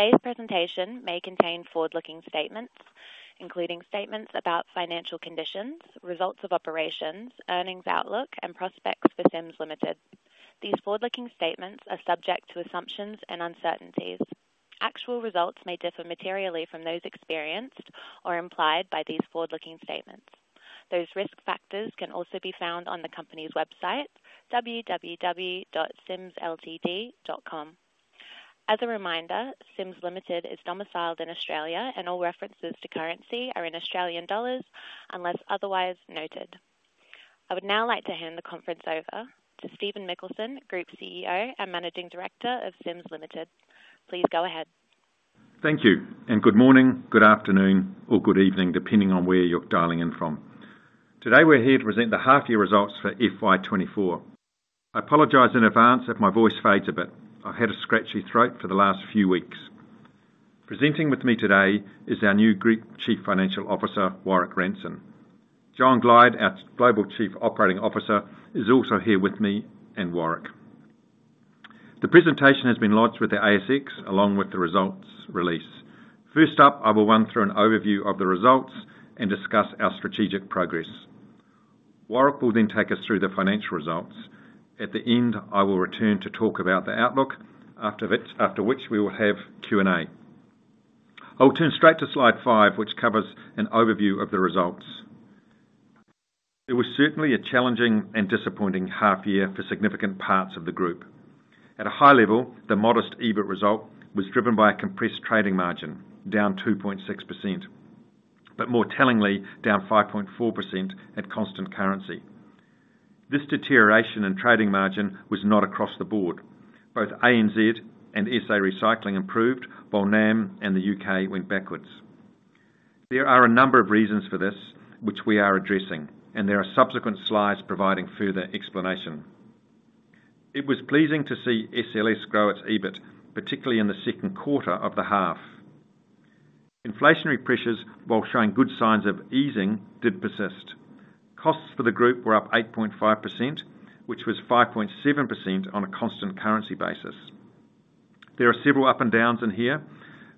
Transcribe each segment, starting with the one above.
Today's presentation may contain forward-looking statements, including statements about financial conditions, results of operations, earnings outlook, and prospects for Sims Limited. These forward-looking statements are subject to assumptions and uncertainties. Actual results may differ materially from those experienced or implied by these forward-looking statements. Those risk factors can also be found on the company's website, www.simsltd.com. As a reminder, Sims Limited is domiciled in Australia, and all references to currency are in Australian dollars unless otherwise noted. I would now like to hand the conference over to Stephen Mikkelsen, Group CEO and Managing Director of Sims Limited. Please go ahead. Thank you, and good morning, good afternoon, or good evening, depending on where you're dialing in from. Today, we're here to present the half year results for FY 2024. I apologize in advance if my voice fades a bit. I've had a scratchy throat for the last few weeks. Presenting with me today is our new Group Chief Financial Officer, Warrick Ranson. John Glyde, our Global Chief Operating Officer, is also here with me and Warrick. The presentation has been lodged with the ASX, along with the results release. First up, I will run through an overview of the results and discuss our strategic progress. Warrick will then take us through the financial results. At the end, I will return to talk about the outlook, after which, after which we will have Q&A. I'll turn straight to slide five, which covers an overview of the results. It was certainly a challenging and disappointing half year for significant parts of the group. At a high level, the modest EBIT result was driven by a compressed trading margin, down 2.6%, but more tellingly, down 5.4% at constant currency. This deterioration in trading margin was not across the board. Both ANZ and SA Recycling improved, while NAM and the U.K. went backwards. There are a number of reasons for this, which we are addressing, and there are subsequent slides providing further explanation. It was pleasing to see SLS grow its EBIT, particularly in the second quarter of the half. Inflationary pressures, while showing good signs of easing, did persist. Costs for the group were up 8.5%, which was 5.7% on a constant currency basis. There are several ups and downs in here,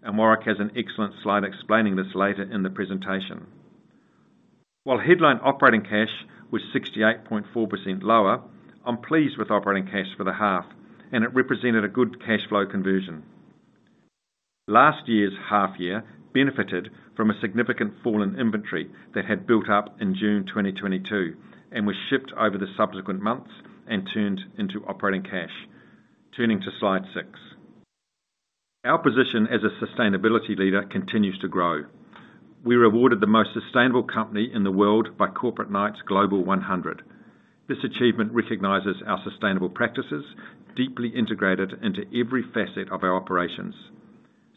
and Warrick has an excellent slide explaining this later in the presentation. While headline operating cash was 68.4% lower, I'm pleased with operating cash for the half, and it represented a good cash flow conversion. Last year's half year benefited from a significant fall in inventory that had built up in June 2022 and was shipped over the subsequent months and turned into operating cash. Turning to slide six. Our position as a sustainability leader continues to grow. We were awarded the Most Sustainable Company in the World by Corporate Knights Global 100. This achievement recognizes our sustainable practices, deeply integrated into every facet of our operations.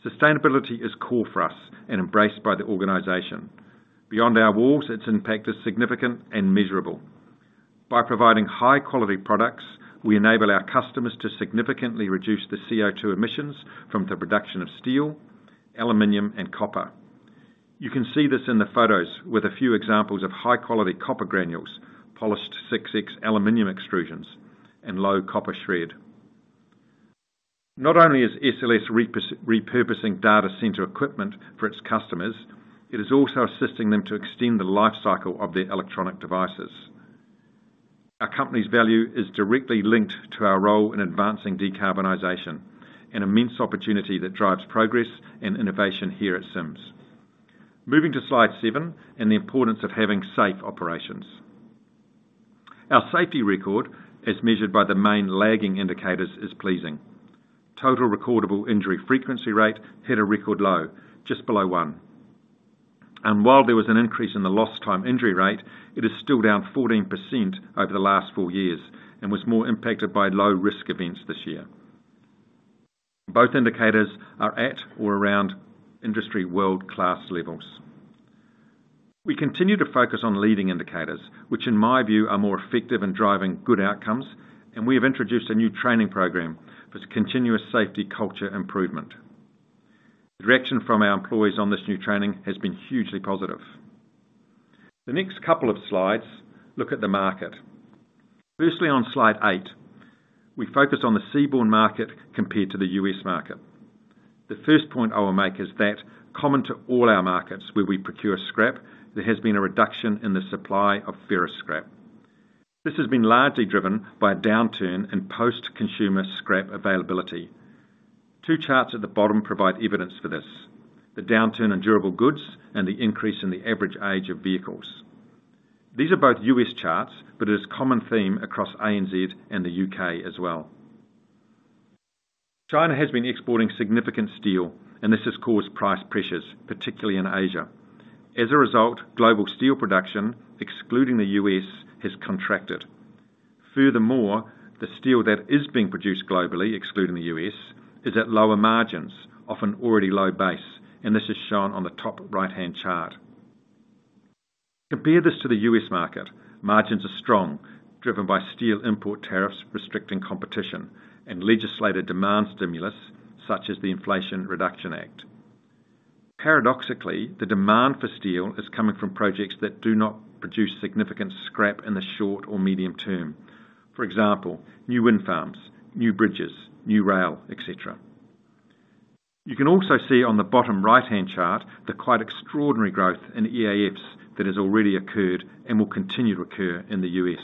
Sustainability is core for us and embraced by the organization. Beyond our walls, its impact is significant and measurable. By providing high-quality products, we enable our customers to significantly reduce the CO2 emissions from the production of steel, aluminum, and copper. You can see this in the photos with a few examples of high-quality copper granules, polished 6063 aluminum extrusions, and low copper shred. Not only is SLS repurposing data center equipment for its customers, it is also assisting them to extend the life cycle of their electronic devices. Our company's value is directly linked to our role in advancing decarbonization, an immense opportunity that drives progress and innovation here at Sims. Moving to slide seven and the importance of having safe operations. Our safety record, as measured by the main lagging indicators, is pleasing. Total recordable injury frequency rate hit a record low, just below one, and while there was an increase in the lost time injury rate, it is still down 14% over the last four years and was more impacted by low-risk events this year. Both indicators are at or around industry world-class levels. We continue to focus on leading indicators, which, in my view, are more effective in driving good outcomes, and we have introduced a new training program for continuous safety culture improvement. The direction from our employees on this new training has been hugely positive. The next couple of slides look at the market. Firstly, on slide eight, we focus on the seaborne market compared to the U.S. market. The first point I will make is that common to all our markets where we procure scrap, there has been a reduction in the supply of ferrous scrap. This has been largely driven by a downturn in post-consumer scrap availability. Two charts at the bottom provide evidence for this: the downturn in durable goods and the increase in the average age of vehicles. These are both U.S. charts, but it is a common theme across ANZ and the U.K. as well. China has been exporting significant steel, and this has caused price pressures, particularly in Asia. As a result, global steel production, excluding the U.S., has contracted. Furthermore, the steel that is being produced globally, excluding the U.S., is at lower margins, often already low base, and this is shown on the top right-hand chart. Compare this to the U.S. market. Margins are strong, driven by steel import tariffs, restricting competition, and legislation demand stimulus, such as the Inflation Reduction Act. Paradoxically, the demand for steel is coming from projects that do not produce significant scrap in the short or medium term. For example, new wind farms, new bridges, new rail, et cetera. You can also see on the bottom right-hand chart, the quite extraordinary growth in EAFs that has already occurred and will continue to occur in the U.S.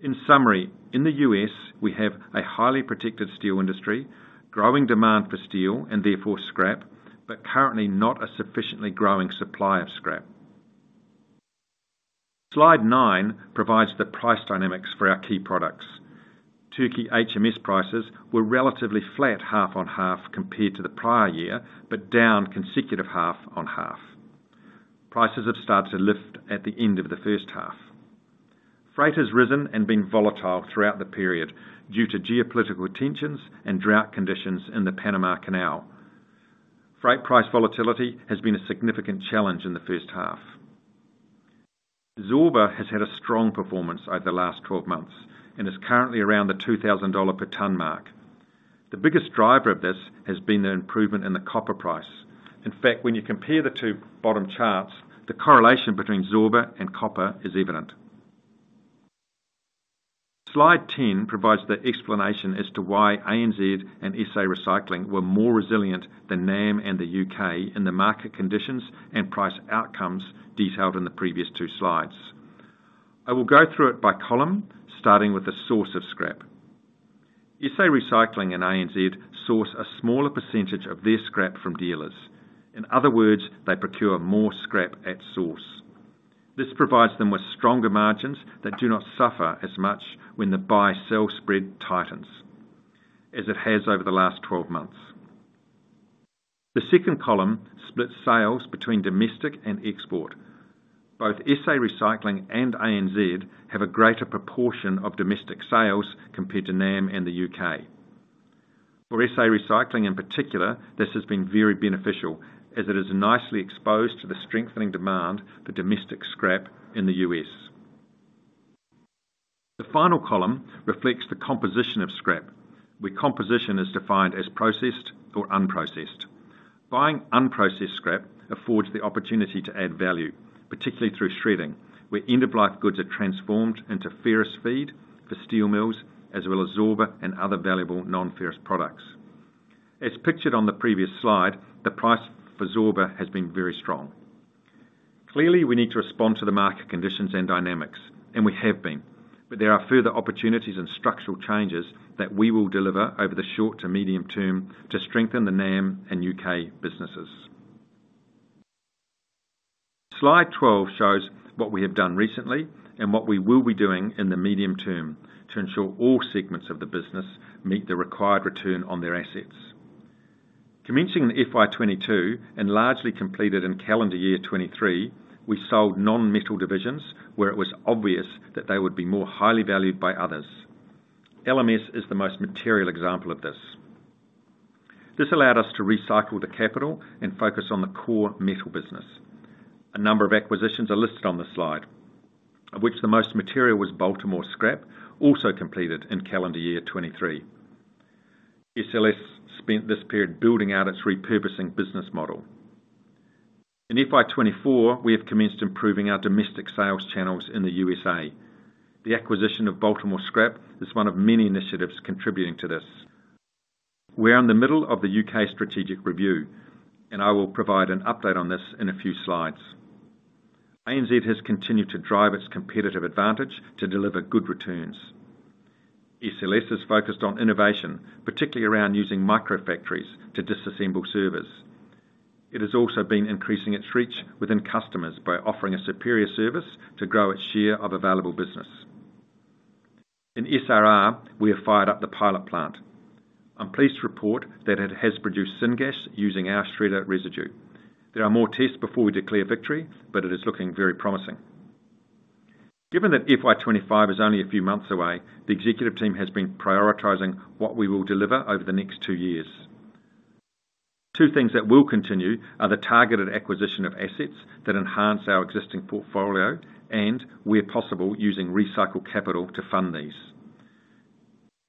In summary, in the U.S., we have a highly protected steel industry, growing demand for steel and therefore scrap, but currently not a sufficiently growing supply of scrap. slide nine provides the price dynamics for our key products. Turkey HMS prices were relatively flat, half on half, compared to the prior year, but down consecutive half on half. Prices have started to lift at the end of the first half. Freight has risen and been volatile throughout the period due to geopolitical tensions and drought conditions in the Panama Canal. Freight price volatility has been a significant challenge in the first half. Zorba has had a strong performance over the last 12 months and is currently around the $2,000 per ton mark. The biggest driver of this has been an improvement in the copper price. In fact, when you compare the two bottom charts, the correlation between Zorba and copper is evident. slide 10 provides the explanation as to why ANZ and SA Recycling were more resilient than NAM and the U.K. in the market conditions and price outcomes detailed in the previous two slides. I will go through it by column, starting with the source of scrap. SA Recycling and ANZ source a smaller percentage of their scrap from dealers. In other words, they procure more scrap at source. This provides them with stronger margins that do not suffer as much when the buy-sell spread tightens, as it has over the last 12 months. The second column splits sales between domestic and export. Both SA Recycling and ANZ have a greater proportion of domestic sales compared to NAM and the U.K.. For SA Recycling, in particular, this has been very beneficial, as it is nicely exposed to the strengthening demand for domestic scrap in the U.S.. The final column reflects the composition of scrap, where composition is defined as processed or unprocessed. Buying unprocessed scrap affords the opportunity to add value, particularly through shredding, where end-of-life goods are transformed into ferrous feed for steel mills, as well as Zorba and other valuable non-ferrous products. As pictured on the previous slide, the price for Zorba has been very strong. Clearly, we need to respond to the market conditions and dynamics, and we have been, but there are further opportunities and structural changes that we will deliver over the short to medium term to strengthen the NAM and U.K. businesses. Slide 12 shows what we have done recently and what we will be doing in the medium term to ensure all segments of the business meet the required return on their assets. Commencing in FY 2022 and largely completed in calendar year 2023, we sold non-metal divisions where it was obvious that they would be more highly valued by others. LMS is the most material example of this. This allowed us to recycle the capital and focus on the core metal business. A number of acquisitions are listed on the slide, of which the most material was Baltimore Scrap, also completed in calendar year 2023. SLS spent this period building out its repurposing business model. In FY 2024, we have commenced improving our domestic sales channels in the USA. The acquisition of Baltimore Scrap is one of many initiatives contributing to this. We are in the middle of the U.K. strategic review, and I will provide an update on this in a few slides. ANZ has continued to drive its competitive advantage to deliver good returns. SLS is focused on innovation, particularly around using micro-factories to disassemble servers. It has also been increasing its reach within customers by offering a superior service to grow its share of available business. In SRR, we have fired up the pilot plant. I'm pleased to report that it has produced syngas using our shredder residue. There are more tests before we declare victory, but it is looking very promising. Given that FY 2025 is only a few months away, the executive team has been prioritizing what we will deliver over the next two years. Two things that will continue are the targeted acquisition of assets that enhance our existing portfolio and, where possible, using recycled capital to fund these.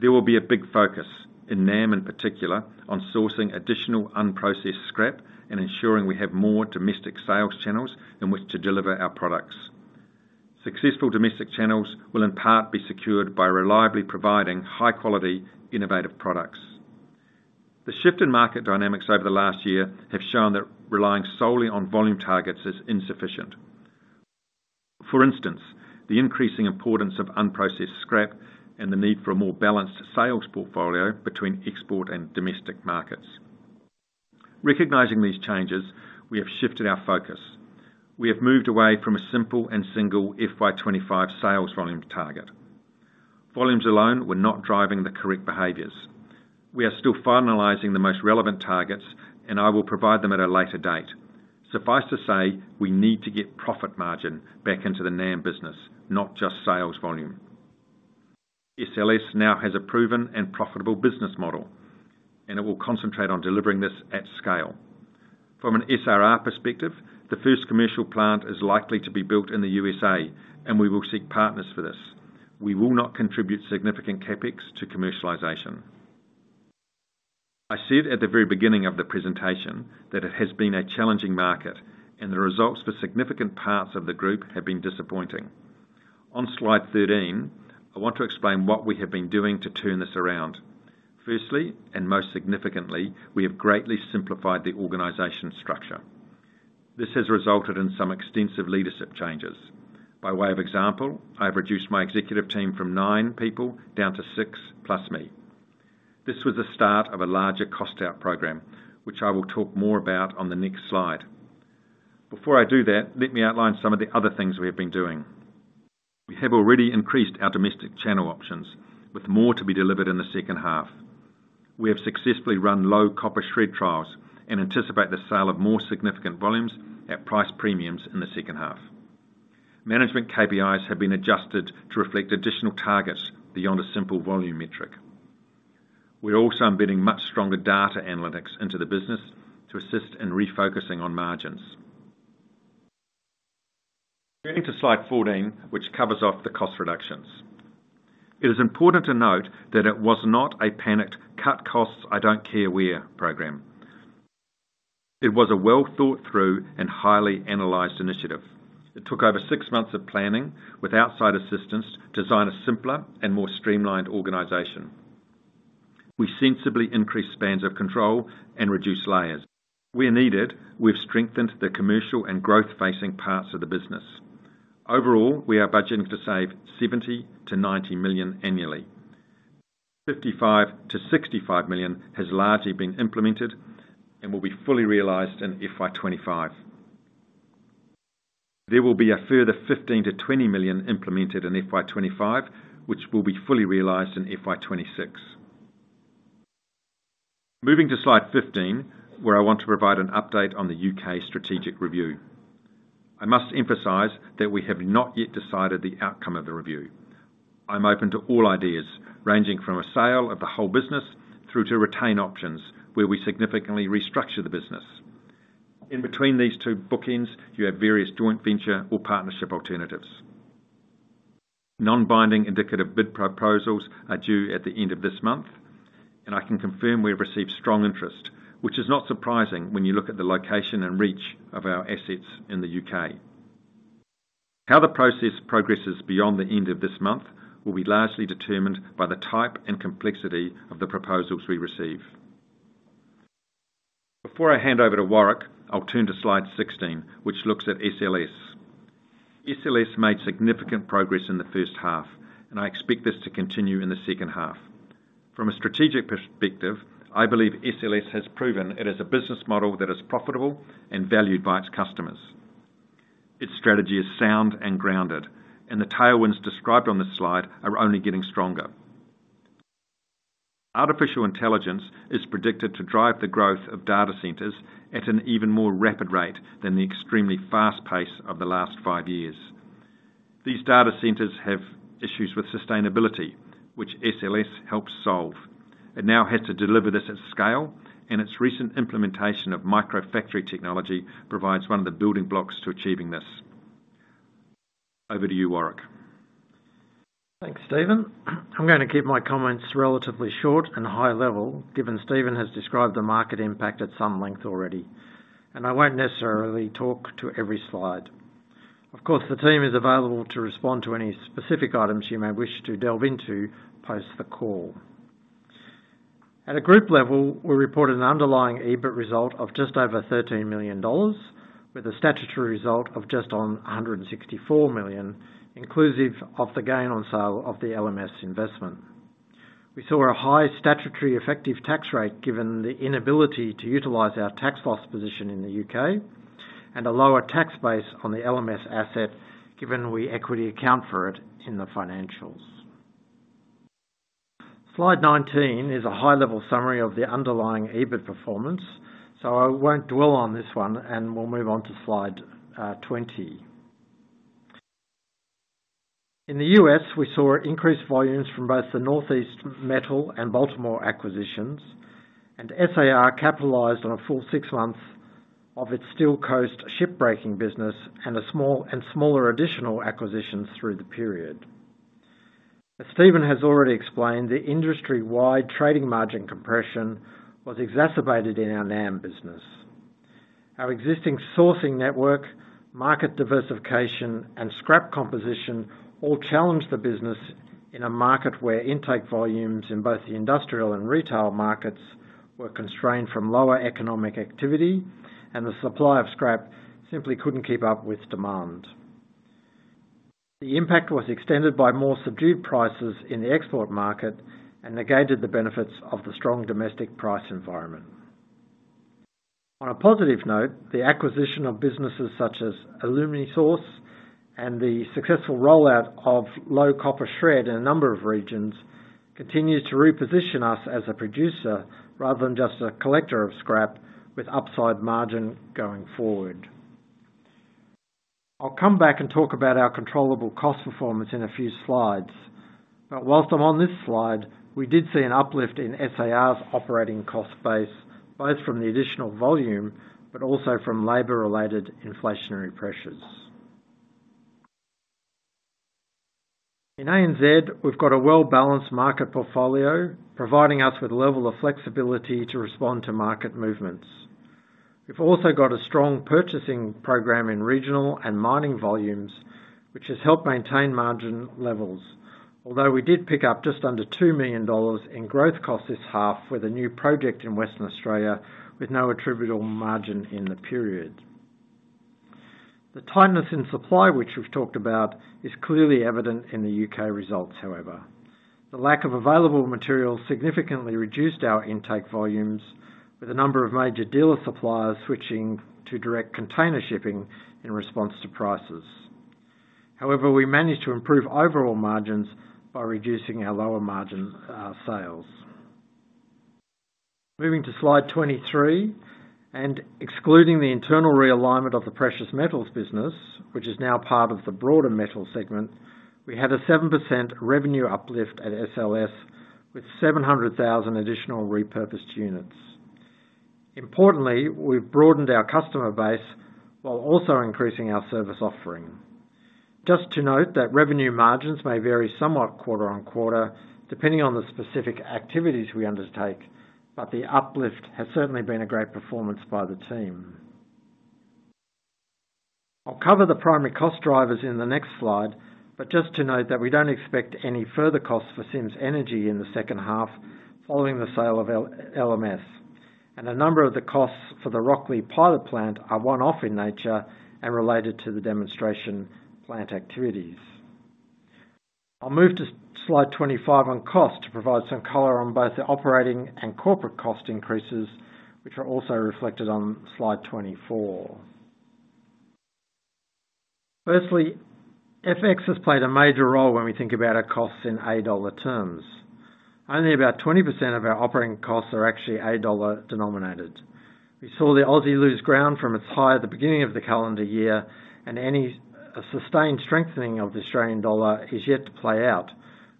There will be a big focus, in NAM in particular, on sourcing additional unprocessed scrap and ensuring we have more domestic sales channels in which to deliver our products. Successful domestic channels will, in part, be secured by reliably providing high-quality, innovative products. The shift in market dynamics over the last year have shown that relying solely on volume targets is insufficient. For instance, the increasing importance of unprocessed scrap and the need for a more balanced sales portfolio between export and domestic markets. Recognizing these changes, we have shifted our focus. We have moved away from a simple and single FY 2025 sales volume target. Volumes alone were not driving the correct behaviors. We are still finalizing the most relevant targets, and I will provide them at a later date. Suffice to say, we need to get profit margin back into the NAM business, not just sales volume. SLS now has a proven and profitable business model, and it will concentrate on delivering this at scale. From an SRR perspective, the first commercial plant is likely to be built in the USA, and we will seek partners for this. We will not contribute significant CapEx to commercialization. I said at the very beginning of the presentation, that it has been a challenging market, and the results for significant parts of the group have been disappointing. On slide 13, I want to explain what we have been doing to turn this around. Firstly, and most significantly, we have greatly simplified the organization structure. This has resulted in some extensive leadership changes. By way of example, I have reduced my executive team from nine people down to six, plus me. This was the start of a larger cost-out program, which I will talk more about on the next slide. Before I do that, let me outline some of the other things we have been doing. We have already increased our domestic channel options, with more to be delivered in the second half. We have successfully run low copper shred trials and anticipate the sale of more significant volumes at price premiums in the second half. Management KPIs have been adjusted to reflect additional targets beyond a simple volume metric. We're also embedding much stronger data analytics into the business to assist in refocusing on margins. Turning to slide 14, which covers off the cost reductions. It is important to note that it was not a panicked, "Cut costs, I don't care where," program. It was a well-thought-through and highly analyzed initiative. It took over six months of planning, with outside assistance, to design a simpler and more streamlined organization. We sensibly increased spans of control and reduced layers. Where needed, we've strengthened the commercial and growth-facing parts of the business. Overall, we are budgeting to save 70 million- 90 million annually. 55 million- 65 million has largely been implemented and will be fully realized in FY 2025. There will be a further 15 million -20 million implemented in FY 2025, which will be fully realized in FY 2026. Moving to slide 15, where I want to provide an update on the U.K. strategic review. I must emphasize that we have not yet decided the outcome of the review. I'm open to all ideas, ranging from a sale of the whole business through to retain options, where we significantly restructure the business. In between these two bookends, you have various joint venture or partnership alternatives. Non-binding indicative bid proposals are due at the end of this month, and I can confirm we have received strong interest, which is not surprising when you look at the location and reach of our assets in the U.K. How the process progresses beyond the end of this month, will be largely determined by the type and complexity of the proposals we receive. Before I hand over to Warrick, I'll turn to slide 16, which looks at SLS. SLS made significant progress in the first half, and I expect this to continue in the second half. From a strategic perspective, I believe SLS has proven it is a business model that is profitable and valued by its customers. Its strategy is sound and grounded, and the tailwinds described on this slide are only getting stronger. Artificial intelligence is predicted to drive the growth of data centers at an even more rapid rate than the extremely fast pace of the last five years. These data centers have issues with sustainability, which SLS helps solve. It now has to deliver this at scale, and its recent implementation of microfactory technology provides one of the building blocks to achieving this. Over to you, Warrick. Thanks, Stephen. I'm gonna keep my comments relatively short and high level, given Stephen has described the market impact at some length already. I won't necessarily talk to every slide. Of course, the team is available to respond to any specific items you may wish to delve into post the call. At a group level, we reported an underlying EBIT result of just over $13 million, with a statutory result of just on $164 million, inclusive of the gain on sale of the LMS investment. We saw a high statutory effective tax rate, given the inability to utilize our tax loss position in the U.K., and a lower tax base on the LMS asset, given we equity account for it in the financials. Slide 19 is a high-level summary of the underlying EBIT performance, so I won't dwell on this one, and we'll move on to slide 20. In the U.S., we saw increased volumes from both the Northeast Metal and Baltimore acquisitions, and SAR capitalized on a full six months of its SteelCoast ship breaking business, and smaller additional acquisitions through the period. As Stephen has already explained, the industry-wide trading margin compression was exacerbated in our NAM business. Our existing sourcing network, market diversification, and scrap composition all challenged the business in a market where intake volumes in both the industrial and retail markets were constrained from lower economic activity, and the supply of scrap simply couldn't keep up with demand. The impact was extended by more subdued prices in the export market and negated the benefits of the strong domestic price environment. On a positive note, the acquisition of businesses such as Alumisource and the successful rollout of low-copper shred in a number of regions, continues to reposition us as a producer rather than just a collector of scrap, with upside margin going forward. I'll come back and talk about our controllable cost performance in a few slides... But while I'm on this slide, we did see an uplift in SAR's operating cost base, both from the additional volume, but also from labor-related inflationary pressures. In ANZ, we've got a well-balanced market portfolio, providing us with a level of flexibility to respond to market movements. We've also got a strong purchasing program in regional and mining volumes, which has helped maintain margin levels. Although we did pick up just under 2 million dollars in growth costs this half with a new project in Western Australia, with no attributable margin in the period. The tightness in supply, which we've talked about, is clearly evident in the U.K. results, however. The lack of available material significantly reduced our intake volumes, with a number of major dealer suppliers switching to direct container shipping in response to prices. However, we managed to improve overall margins by reducing our lower margin sales. Moving to slide 23, and excluding the internal realignment of the precious metals business, which is now part of the broader metal segment, we had a 7% revenue uplift at SLS, with 700,000 additional repurposed units. Importantly, we've broadened our customer base while also increasing our service offering. Just to note that revenue margins may vary somewhat quarter on quarter, depending on the specific activities we undertake, but the uplift has certainly been a great performance by the team. I'll cover the primary cost drivers in the next slide, but just to note that we don't expect any further costs for Sims Energy in the second half following the sale of LMS. And a number of the costs for the Rocklea pilot plant are one-off in nature and related to the demonstration plant activities. I'll move to slide 25 on cost, to provide some color on both the operating and corporate cost increases, which are also reflected on slide 24. Firstly, FX has played a major role when we think about our costs in A dollar terms. Only about 20% of our operating costs are actually A dollar denominated. We saw the Aussie lose ground from its high at the beginning of the calendar year, and any sustained strengthening of the Australian dollar is yet to play out,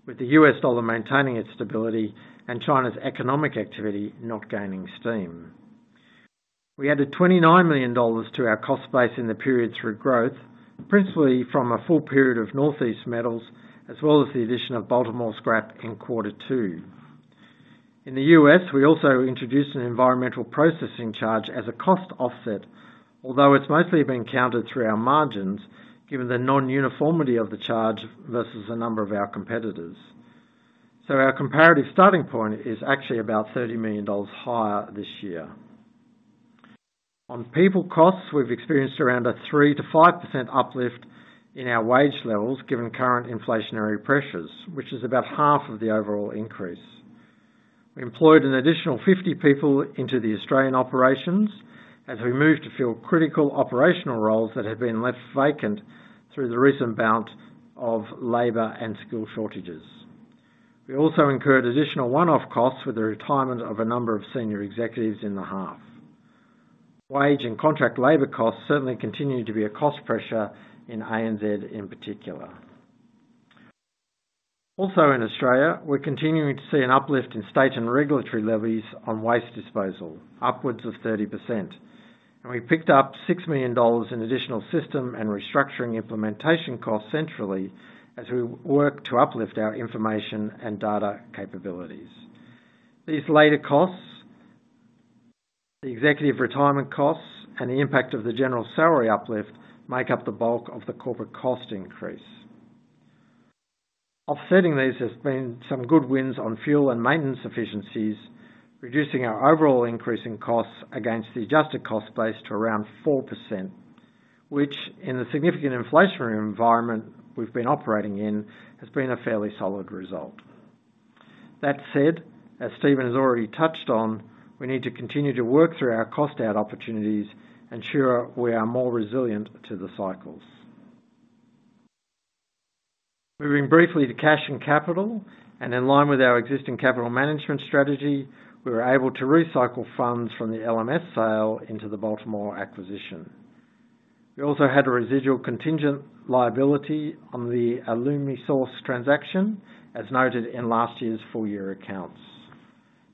with the U.S. dollar maintaining its stability and China's economic activity not gaining steam. We added AUD 29 million to our cost base in the period through growth, principally from a full period of Northeast Metal Traders, as well as the addition of Baltimore Scrap in quarter two. In the U.S., we also introduced an environmental processing charge as a cost offset, although it's mostly been counted through our margins, given the non-uniformity of the charge versus a number of our competitors. So our comparative starting point is actually about 30 million dollars higher this year. On people costs, we've experienced around a 3%-5% uplift in our wage levels, given current inflationary pressures, which is about half of the overall increase. We employed an additional 50 people into the Australian operations as we moved to fill critical operational roles that had been left vacant through the recent bout of labor and skill shortages. We also incurred additional one-off costs with the retirement of a number of senior executives in the half. Wage and contract labor costs certainly continue to be a cost pressure in ANZ in particular. Also in Australia, we're continuing to see an uplift in state and regulatory levies on waste disposal, upwards of 30%. We picked up 6 million dollars in additional system and restructuring implementation costs centrally, as we work to uplift our information and data capabilities. These later costs, the executive retirement costs, and the impact of the general salary uplift, make up the bulk of the corporate cost increase. Offsetting these has been some good wins on fuel and maintenance efficiencies, reducing our overall increase in costs against the adjusted cost base to around 4%, which in the significant inflationary environment we've been operating in, has been a fairly solid result. That said, as Stephen has already touched on, we need to continue to work through our cost out opportunities, ensure we are more resilient to the cycles. Moving briefly to cash and capital, and in line with our existing capital management strategy, we were able to recycle funds from the LMS sale into the Baltimore acquisition. We also had a residual contingent liability on the Alumisource transaction, as noted in last year's full year accounts.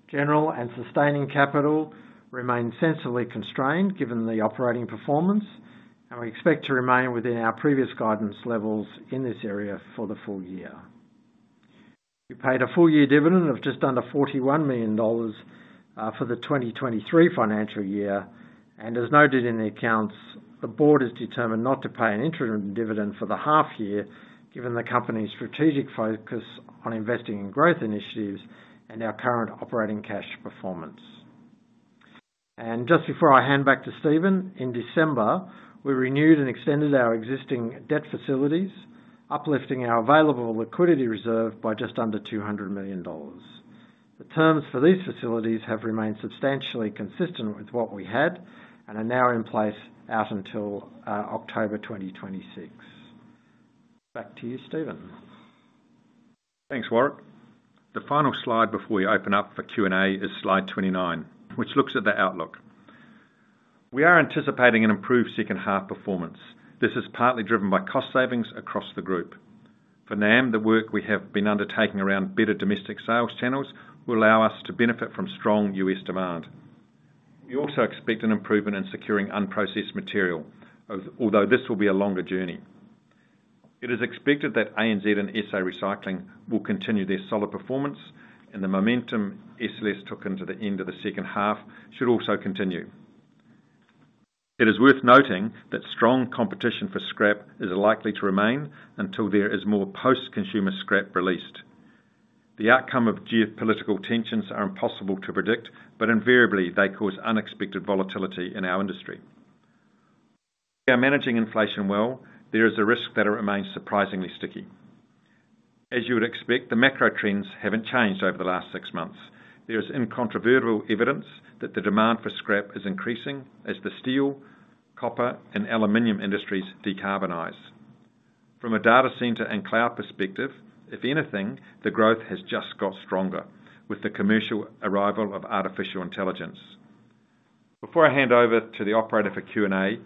General and sustaining capital remain sensibly constrained given the operating performance, and we expect to remain within our previous guidance levels in this area for the full year. We paid a full-year dividend of just under $41 million for the 2023 financial year, and as noted in the accounts, the board is determined not to pay an interim dividend for the half year, given the company's strategic focus on investing in growth initiatives and our current operating cash performance. Just before I hand back to Stephen, in December, we renewed and extended our existing debt facilities, uplifting our available liquidity reserve by just under $200 million. The terms for these facilities have remained substantially consistent with what we had and are now in place out until October 2026. Back to you, Stephen. Thanks, Warrick. The final slide before we open up for Q&A is slide 29, which looks at the outlook. We are anticipating an improved second half performance. This is partly driven by cost savings across the group. For NAM, the work we have been undertaking around better domestic sales channels will allow us to benefit from strong U.S. demand. We also expect an improvement in securing unprocessed material, although this will be a longer journey. It is expected that ANZ and SA Recycling will continue their solid performance, and the momentum SLS took into the end of the second half should also continue. It is worth noting that strong competition for scrap is likely to remain until there is more post-consumer scrap released. The outcome of geopolitical tensions are impossible to predict, but invariably they cause unexpected volatility in our industry. We are managing inflation well. There is a risk that it remains surprisingly sticky. As you would expect, the macro trends haven't changed over the last six months. There is incontrovertible evidence that the demand for scrap is increasing as the steel, copper, and aluminum industries decarbonize. From a data center and cloud perspective, if anything, the growth has just got stronger with the commercial arrival of artificial intelligence. Before I hand over to the operator for Q&A,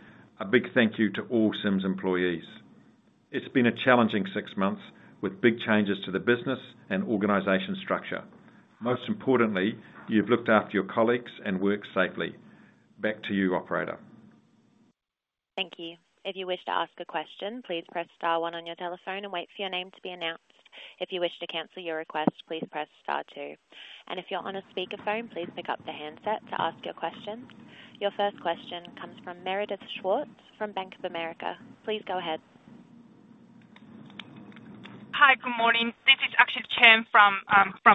a big thank you to all Sims employees. It's been a challenging six months with big changes to the business and organization structure. Most importantly, you've looked after your colleagues and worked safely. Back to you, operator. Thank you. If you wish to ask a question, please press star one on your telephone and wait for your name to be announced. If you wish to cancel your request, please press star two. If you're on a speakerphone, please pick up the handset to ask your question. Your first question comes from Meredith Schwarz, from Bank of America. Please go ahead. Hi, good morning. This is actually Chen from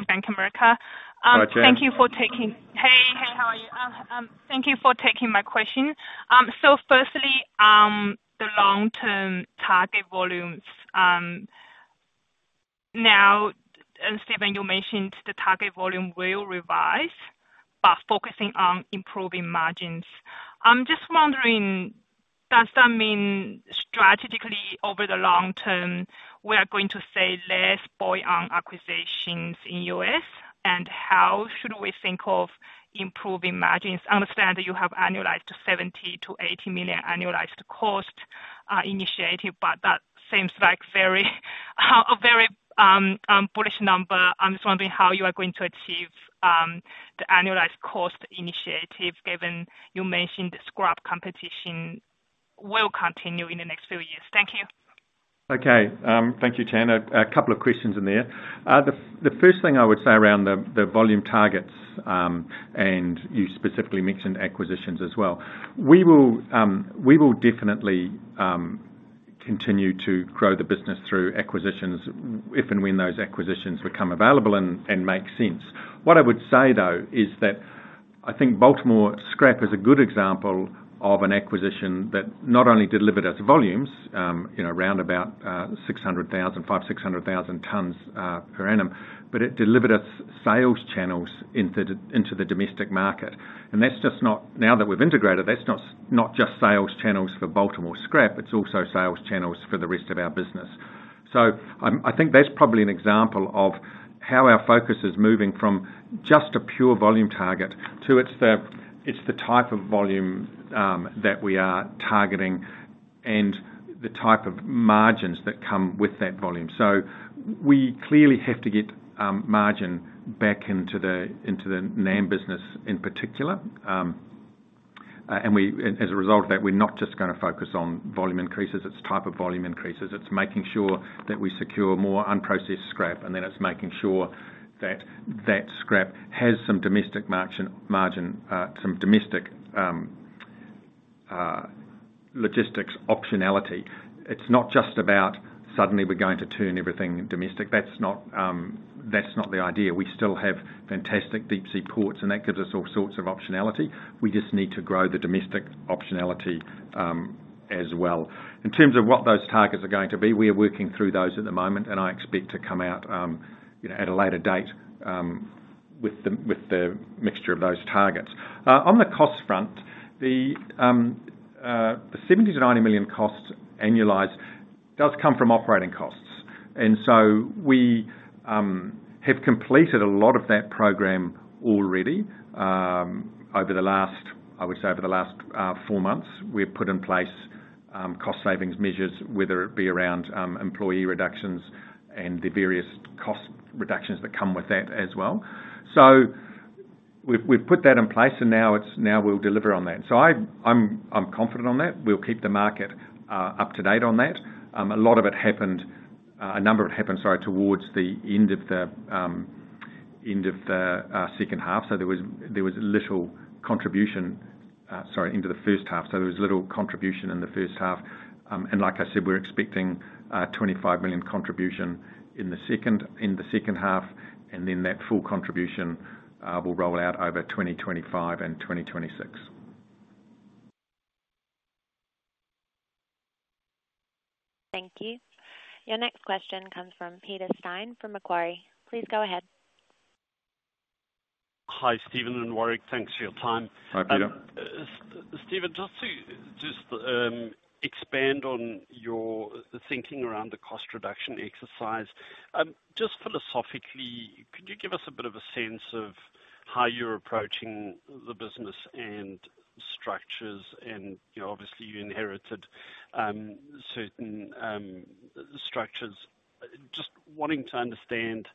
Bank of America. Hi, Chen. Thank you for taking my question. So firstly, the long-term target volumes, now, and Stephen, you mentioned the target volume will revise by focusing on improving margins. I'm just wondering, does that mean strategically over the long term, we are going to see less bolt-on acquisitions in the U.S., and how should we think of improving margins? I understand that you have an annualized 70 million - 80 million cost initiative, but that seems like a very bullish number. I'm just wondering how you are going to achieve the annualized cost initiative, given you mentioned scrap competition will continue in the next few years. Thank you. Okay. Thank you, Chen. A couple of questions in there. The first thing I would say around the volume targets, and you specifically mentioned acquisitions as well. We will definitely continue to grow the business through acquisitions, if and when those acquisitions become available and make sense. What I would say, though, is that I think Baltimore Scrap is a good example of an acquisition that not only delivered us volumes, you know, around about 500,000-600,000 tons per annum, but it delivered us sales channels into the domestic market. And that's just not—Now that we've integrated, that's not just sales channels for Baltimore Scrap, it's also sales channels for the rest of our business. So I think that's probably an example of how our focus is moving from just a pure volume target to it's the type of volume that we are targeting and the type of margins that come with that volume. So we clearly have to get margin back into the NAM business in particular. And as a result of that, we're not just gonna focus on volume increases, it's type of volume increases. It's making sure that we secure more unprocessed scrap, and then it's making sure that that scrap has some domestic margin, some domestic logistics optionality. It's not just about suddenly we're going to turn everything domestic. That's not the idea. We still have fantastic deep sea ports, and that gives us all sorts of optionality. We just need to grow the domestic optionality as well. In terms of what those targets are going to be, we are working through those at the moment, and I expect to come out, you know, at a later date with the mixture of those targets. On the cost front, the 70 million-90 million costs annualized does come from operating costs, and so we have completed a lot of that program already. Over the last four months, I would say, we've put in place cost savings measures, whether it be around employee reductions and the various cost reductions that come with that as well. So we've put that in place, and now we'll deliver on that. So I'm confident on that. We'll keep the market up to date on that. A lot of it happened, a number of it happened, sorry, towards the end of the second half, so there was little contribution into the first half. So there was little contribution in the first half, and like I said, we're expecting an 25 million contribution in the second half, and then that full contribution will roll out over 2025 and 2026. Thank you. Your next question comes from Peter Steyn, from Macquarie. Please go ahead. Hi, Stephen and Warrick. Thanks for your time. Hi, Peter. Stephen, just expand on your thinking around the cost reduction exercise. Just philosophically, could you give us a bit of a sense of how you're approaching the business and structures? And, you know, obviously, you inherited certain structures. Just wanting to understand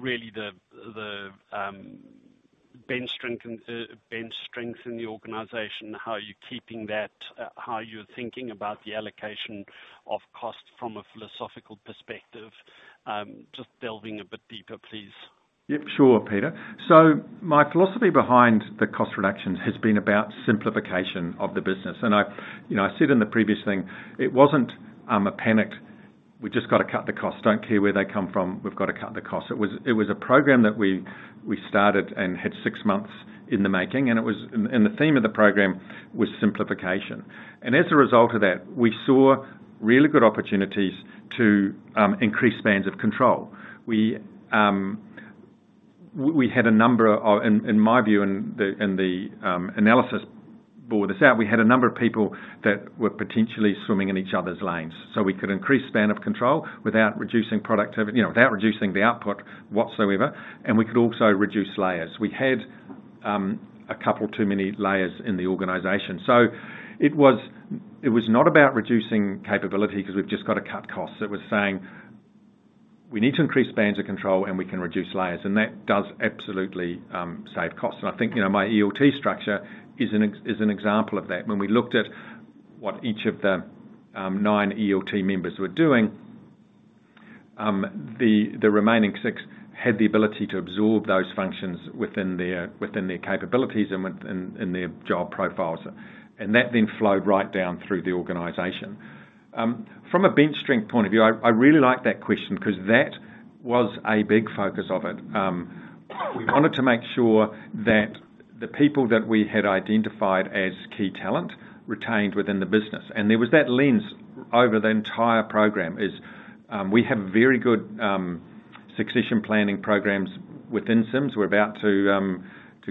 really the bench strength in the organization. How are you keeping that? How you're thinking about the allocation of cost from a philosophical perspective? Just delving a bit deeper, please. Yep, sure, Peter. So my philosophy behind the cost reductions has been about simplification of the business. And I, you know, I said in the previous thing, it wasn't a panicked, "We've just got to cut the costs. Don't care where they come from, we've got to cut the costs." It was a program that we started and had six months in the making, and the theme of the program was simplification. And as a result of that, we saw really good opportunities to increase spans of control. We had a number of, in my view, and the analysis bore this out, we had a number of people that were potentially swimming in each other's lanes. So we could increase span of control without reducing productivity, you know, without reducing the output whatsoever, and we could also reduce layers. We had a couple too many layers in the organization. So it was not about reducing capability because we've just got to cut costs. It was saying, we need to increase spans of control and we can reduce layers. And that does absolutely save costs. And I think, you know, my ELT structure is an example of that. When we looked at what each of the nine ELT members were doing, the remaining six had the ability to absorb those functions within their, within their capabilities and within their job profiles, and that then flowed right down through the organization. From a bench strength point of view, I really like that question because that was a big focus of it. We wanted to make sure that the people that we had identified as key talent retained within the business. And there was that lens over the entire program, we have very good succession planning programs within Sims. We're about to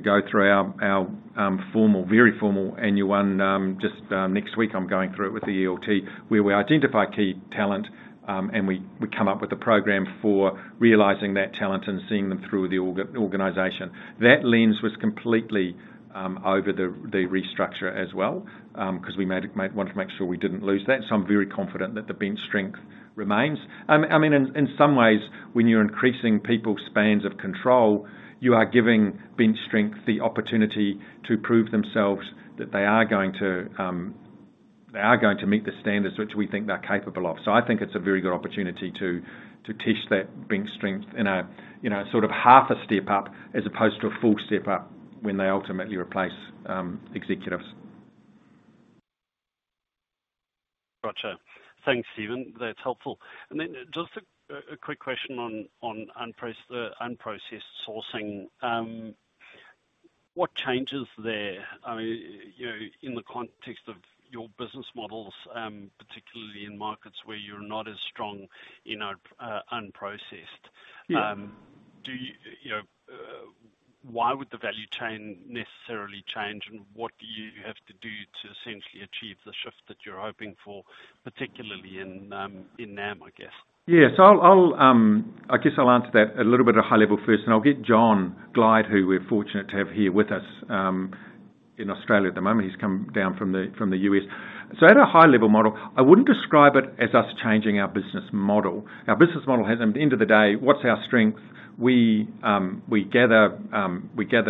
go through our formal, very formal annual one, just next week I'm going through it with the ELT, where we identify key talent, and we come up with a program for realizing that talent and seeing them through the organization. That lens was completely over the restructure as well, because we wanted to make sure we didn't lose that. So I'm very confident that the bench strength remains. I mean, in some ways, when you're increasing people's spans of control, you are giving bench strength the opportunity to prove themselves, that they are going to meet the standards which we think they're capable of. So I think it's a very good opportunity to test that bench strength in a you know sort of half a step up, as opposed to a full step up when they ultimately replace executives. Gotcha. Thanks, Stephen. That's helpful. And then just a quick question on unprocessed sourcing. What changes there, I mean, you know, in the context of your business models, particularly in markets where you're not as strong in our unprocessed? Yeah. Do you, you know, why would the value chain necessarily change, and what do you have to do to essentially achieve the shift that you're hoping for, particularly in NAM, I guess? Yes, I'll answer that at a little bit of high level first, and I'll get John Glyde, who we're fortunate to have here with us, in Australia at the moment. He's come down from the U.S. So at a high level model, I wouldn't describe it as us changing our business model. Our business model has, at the end of the day, what's our strength? We gather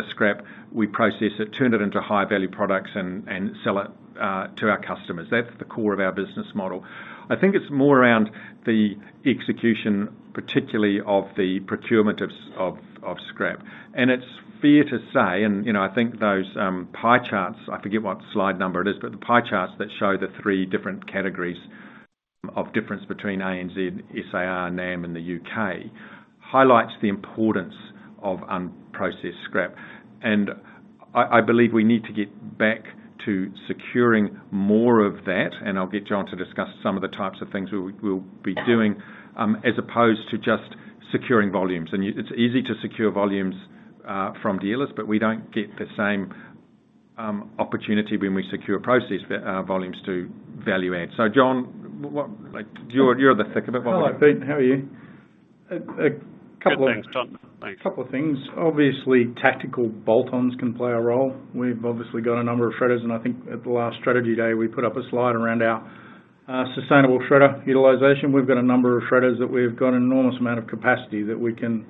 scrap, we process it, turn it into high-value products, and sell it to our customers. That's the core of our business model. I think it's more around the execution, particularly of the procurement of scrap. And it's fair to say, you know, I think those pie charts, I forget what slide number it is, but the pie charts that show the three different categories of difference between ANZ, SAR, NAM, and the U.K., highlights the importance of unprocessed scrap. And I, I believe we need to get back to securing more of that, and I'll get John to discuss some of the types of things we, we'll be doing, as opposed to just securing volumes. And it's easy to secure volumes from dealers, but we don't get the same opportunity when we secure processed volumes to value add. So, John, what, like, you're in the thick of it- Hello, Peter, how are you? A couple of things- Good, thanks, John. Thanks. A couple of things. Obviously, tactical bolt-ons can play a role. We've obviously got a number of shredders, and I think at the last strategy day, we put up a slide around our sustainable shredder utilization. We've got a number of shredders that we've got an enormous amount of capacity that we can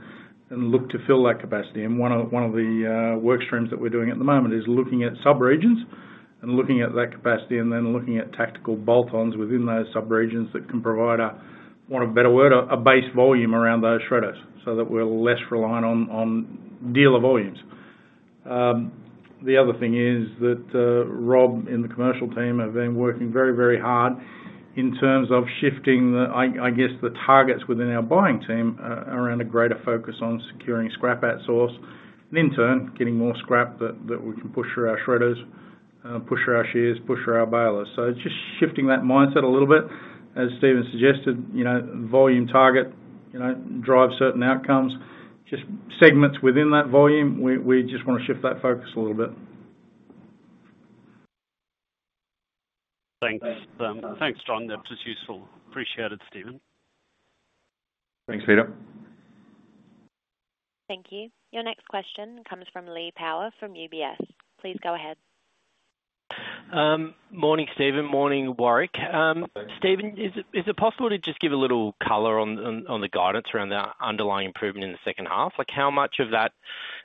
look to fill that capacity. And one of the work streams that we're doing at the moment is looking at subregions and looking at that capacity, and then looking at tactical bolt-ons within those subregions that can provide a base volume around those shredders, so that we're less reliant on dealer volumes. The other thing is that, Rob and the commercial team have been working very, very hard in terms of shifting the, I guess, the targets within our buying team, around a greater focus on securing scrap at source, and in turn, getting more scrap that we can push through our shredders, push through our shears, push through our balers. So just shifting that mindset a little bit, as Stephen suggested, you know, volume target, you know, drives certain outcomes. Just segments within that volume, we just wanna shift that focus a little bit. Thanks. Thanks, John. That was useful. Appreciate it, Stephen. Thanks, Peter. Thank you. Your next question comes from Lee Power, from UBS. Please go ahead. Morning, Stephen. Morning, Warrick. Stephen, is it possible to just give a little color on the guidance around the underlying improvement in the second half? Like, how much of that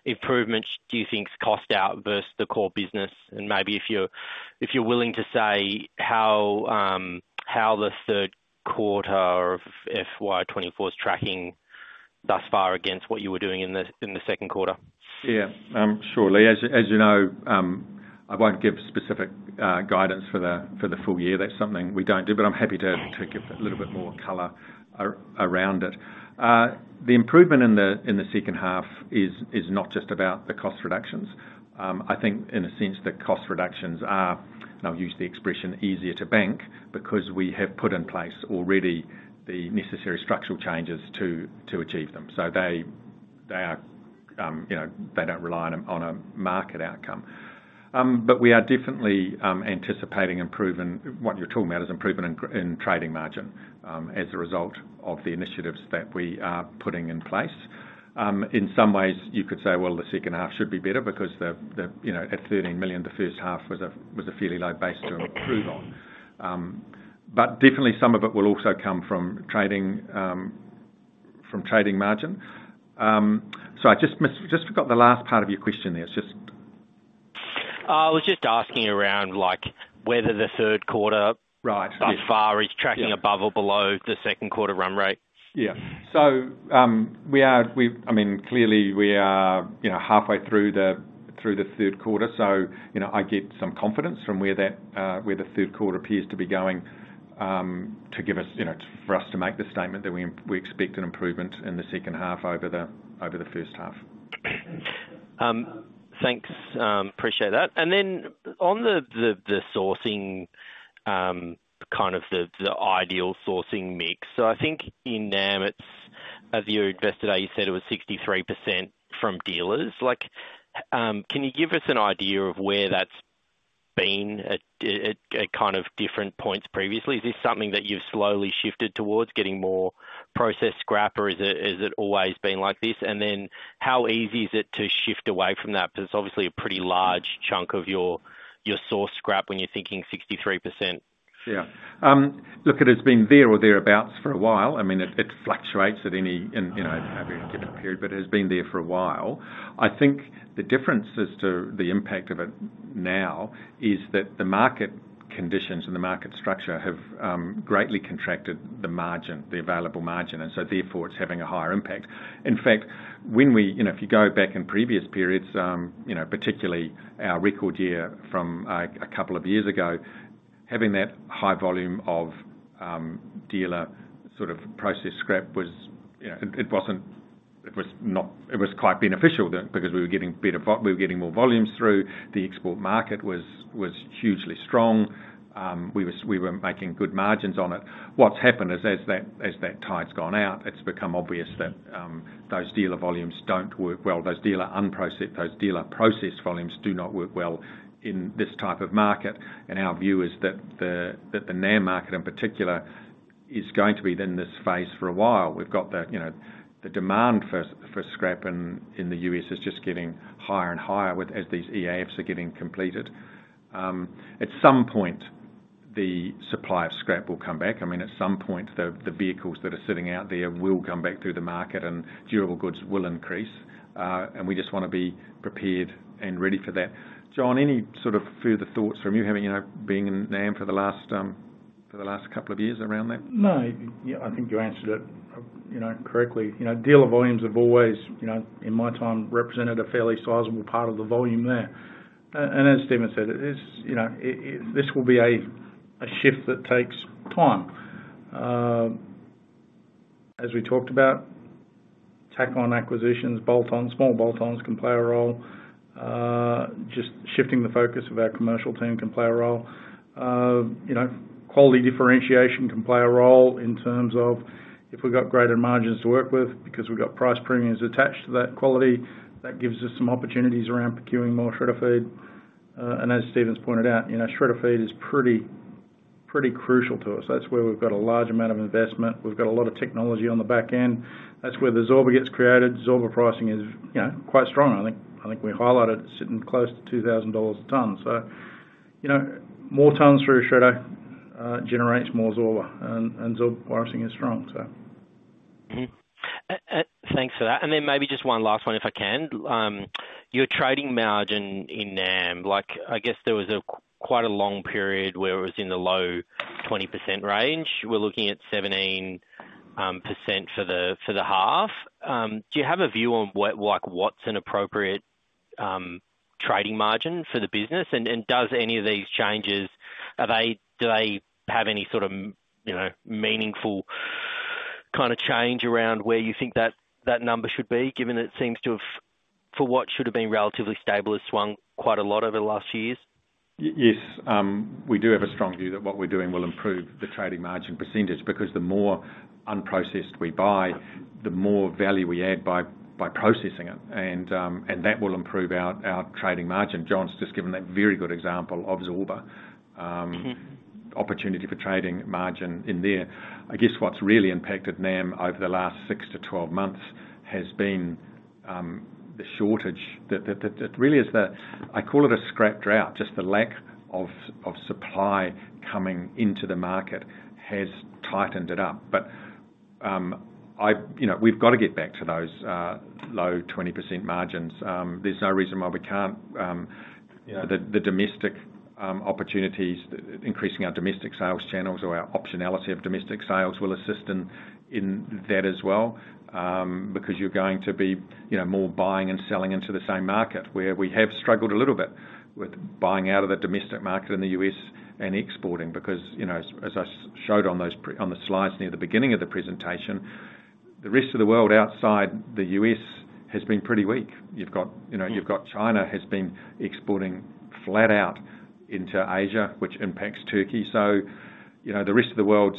improvement do you think is cost out versus the core business, and maybe if you're willing to say how the third quarter of FY 2024 is tracking thus far against what you were doing in the second quarter? Yeah, sure, Lee. As you know, I won't give specific guidance for the full year. That's something we don't do, but I'm happy to give a little bit more color around it. The improvement in the second half is not just about the cost reductions. I think in a sense, the cost reductions are, and I'll use the expression, easier to bank, because we have put in place already the necessary structural changes to achieve them. So they are, you know, they don't rely on a market outcome. But we are definitely anticipating improvement. What you're talking about is improvement in trading margin as a result of the initiatives that we are putting in place. In some ways, you could say, well, the second half should be better because, you know, at 13 million, the first half was a fairly low base to improve on. But definitely some of it will also come from trading, from trading margin. Sorry, I just missed, just forgot the last part of your question there. It's just- I was just asking around, like, whether the third quarter? Right. thus far is tracking above or below the second quarter run rate? Yeah. So, we are, I mean, clearly, we are, you know, halfway through the third quarter, so you know, I get some confidence from where that, where the third quarter appears to be going, to give us, you know, for us to make the statement that we, we expect an improvement in the second half over the first half. Thanks. Appreciate that. And then on the sourcing, kind of the ideal sourcing mix. So I think in NAM, it's, as you invested today, you said it was 63% from dealers. Like, can you give us an idea of where that's been at, kind of different points previously? Is this something that you've slowly shifted towards, getting more processed scrap, or is it always been like this? And then how easy is it to shift away from that? Because it's obviously a pretty large chunk of your source scrap when you're thinking 63%. Yeah. Look, it has been there or thereabouts for a while. I mean, it, it fluctuates at any, and, you know, every given period, but it has been there for a while. I think the difference as to the impact of it now is that the market conditions and the market structure have greatly contracted the margin, the available margin, And so therefore, it's having a higher impact. In fact, when we, you know, if you go back in previous periods, you know, particularly our record year from a couple of years ago, having that high volume of dealer sort of processed scrap was, you know, it, it wasn't—it was not, it was quite beneficial then because we were getting more volumes through. The export market was hugely strong. We were making good margins on it. What's happened is as that tide's gone out, it's become obvious that those dealer volumes don't work well. Those dealer unprocessed, those dealer processed volumes do not work well in this type of market, and our view is that the NAM market in particular is going to be in this phase for a while. We've got you know the demand for scrap in the U.S. is just getting higher and higher with as these EAFs are getting completed. At some point, the supply of scrap will come back. I mean, at some point, the vehicles that are sitting out there will come back through the market and durable goods will increase. And we just wanna be prepared and ready for that. John, any sort of further thoughts from you having, you know, being in NAM for the last couple of years around that? No, yeah, I think you answered it, you know, correctly. You know, dealer volumes have always, you know, in my time, represented a fairly sizable part of the volume there. And as Stephen said, it is, you know, it, this will be a shift that takes time. As we talked about, tack on acquisitions, bolt-on, small bolt-ons can play a role. Just shifting the focus of our commercial team can play a role. You know, quality differentiation can play a role in terms of if we've got greater margins to work with, because we've got price premiums attached to that quality, that gives us some opportunities around procuring more shredder feed. And as Stephen's pointed out, you know, shredder feed is pretty crucial to us. That's where we've got a large amount of investment. We've got a lot of technology on the back end. That's where the Zorba gets created. Zorba pricing is, you know, quite strong. I think, I think we highlighted it's sitting close to $2,000 a ton. So, you know, more tons through shredder, generates more Zorba, and, and Zorba pricing is strong, so. Mm-hmm. Ah, thanks for that. And then maybe just one last one, if I can. Your trading margin in NAM, like, I guess there was quite a long period where it was in the low 20% range. We're looking at 17% for the half. Do you have a view on what, like, what's an appropriate trading margin for the business? And does any of these changes, are they—do they have any sort of, you know, meaningful kind of change around where you think that number should be, given that it seems to have—... for what should have been relatively stable, has swung quite a lot over the last years? Yes, we do have a strong view that what we're doing will improve the trading margin percentage, because the more unprocessed we buy, the more value we add by processing it. And that will improve our trading margin. John's just given that very good example of Zorba. Opportunity for trading margin in there. I guess what's really impacted NAM over the last six to 12 months has been the shortage. That. It really is the, I call it a scrap drought, just the lack of supply coming into the market has tightened it up. But, you know, we've gotta get back to those low 20% margins. There's no reason why we can't. You know, the domestic opportunities, increasing our domestic sales channels or our optionality of domestic sales will assist in that as well. Because you're going to be, you know, more buying and selling into the same market. Where we have struggled a little bit with buying out of the domestic market in the U.S. and exporting, because, you know, as I showed on the slides near the beginning of the presentation, the rest of the world outside the U.S. has been pretty weak. You've got, you know, you've got China has been exporting flat out into Asia, which impacts Turkey. So, you know, the rest of the world's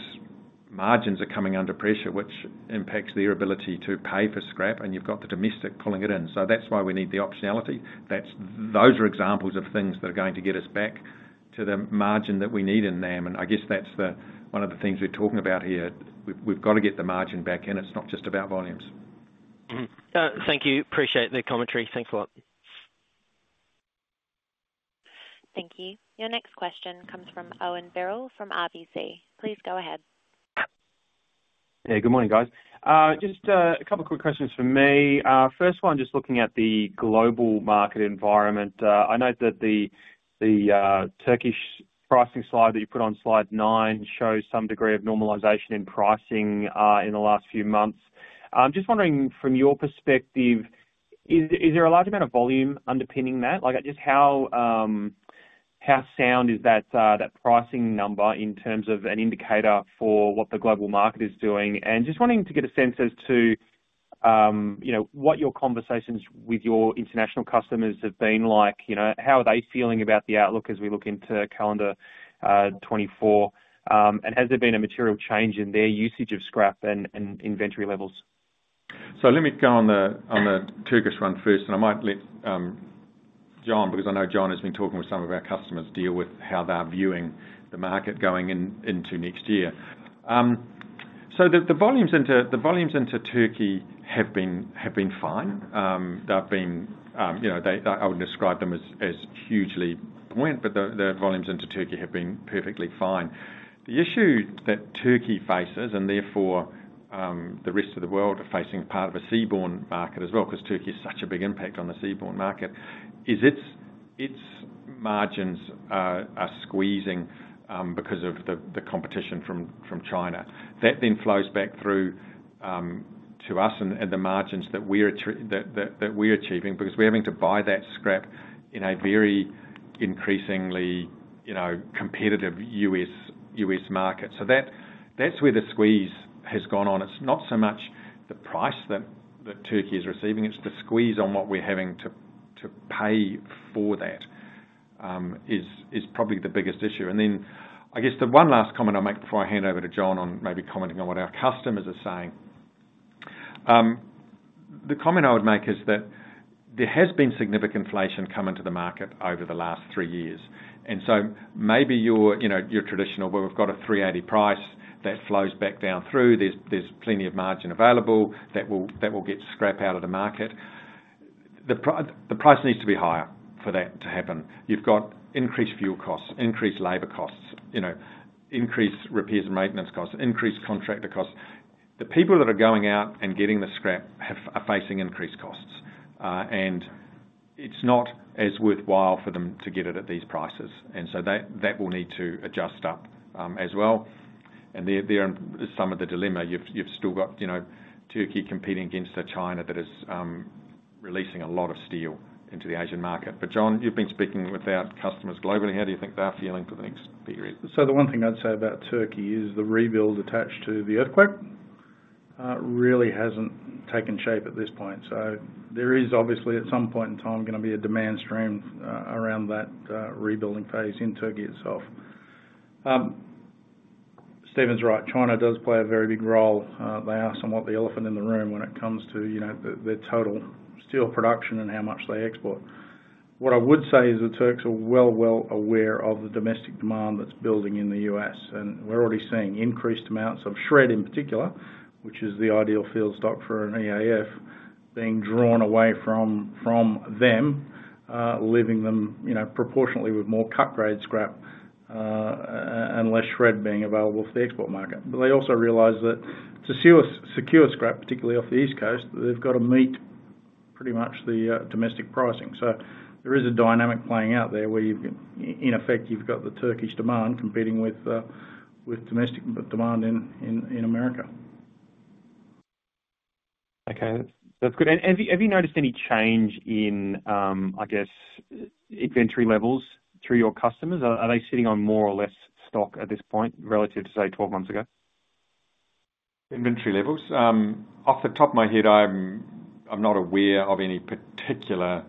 margins are coming under pressure, which impacts their ability to pay for scrap, and you've got the domestic pulling it in. So that's why we need the optionality. Those are examples of things that are going to get us back to the margin that we need in NAM, and I guess that's one of the things we're talking about here. We've gotta get the margin back in, it's not just about volumes. Mm-hmm. Thank you. Appreciate the commentary. Thanks a lot. Thank you. Your next question comes from Owen Birrell, from RBC. Please go ahead. Hey, good morning, guys. Just a couple quick questions from me. First one, just looking at the global market environment. I note that the Turkish pricing slide that you put on slide nine shows some degree of normalization in pricing in the last few months. I'm just wondering from your perspective, is there a large amount of volume underpinning that? Like, just how sound is that pricing number in terms of an indicator for what the global market is doing? And just wanting to get a sense as to, you know, what your conversations with your international customers have been like. You know, how are they feeling about the outlook as we look into calendar 2024? And has there been a material change in their usage of scrap and inventory levels? So let me go on the, on the Turkish one first, and I might let, John, because I know John has been talking with some of our customers, deal with how they're viewing the market going into next year. So the, the volumes into, the volumes into Turkey have been, have been fine. They've been, you know, they... I wouldn't describe them as, as hugely buoyant, but the, the volumes into Turkey have been perfectly fine. The issue that Turkey faces, and therefore, the rest of the world are facing part of a seaborne market as well, 'cause Turkey is such a big impact on the seaborne market, is its, its margins are, are squeezing, because of the, the competition from, from China. That then flows back through to us and the margins that we're achieving, because we're having to buy that scrap in a very increasingly, you know, competitive U.S. market. So that's where the squeeze has gone on. It's not so much the price that Turkey is receiving, it's the squeeze on what we're having to pay for that is probably the biggest issue. And then, I guess the one last comment I'll make before I hand over to John on maybe commenting on what our customers are saying. The comment I would make is that there has been significant inflation come into the market over the last three years, and so maybe your, you know, your traditional, where we've got a $380 price that flows back down through, there's, there's plenty of margin available that will, that will get scrap out of the market. The price needs to be higher for that to happen. You've got increased fuel costs, increased labor costs, you know, increased repairs and maintenance costs, increased contractor costs. The people that are going out and getting the scrap are facing increased costs, and it's not as worthwhile for them to get it at these prices, and so that, that will need to adjust up, as well. And there, there are some of the dilemma. You've still got, you know, Turkey competing against a China that is releasing a lot of steel into the Asian market. But John, you've been speaking with our customers globally. How do you think they're feeling for the next period? So the one thing I'd say about Turkey is the rebuild attached to the earthquake really hasn't taken shape at this point. So there is obviously, at some point in time, gonna be a demand stream around that rebuilding phase in Turkey itself. Stephen's right, China does play a very big role. They are somewhat the elephant in the room when it comes to, you know, the total steel production and how much they export. What I would say is the Turks are well aware of the domestic demand that's building in the U.S., and we're already seeing increased amounts of shred in particular, which is the ideal feedstock for an EAF, being drawn away from them, leaving them, you know, proportionately with more cut-grade scrap and less shred being available for the export market. But they also realize that to secure scrap, particularly off the East Coast, they've got to meet pretty much the domestic pricing. So there is a dynamic playing out there where you've, in effect, you've got the Turkish demand competing with domestic demand in America. Okay, that's good. Have you noticed any change in, I guess, inventory levels through your customers? Are they sitting on more or less stock at this point, relative to, say, 12 months ago? ...Inventory levels, off the top of my head, I'm not aware of any particular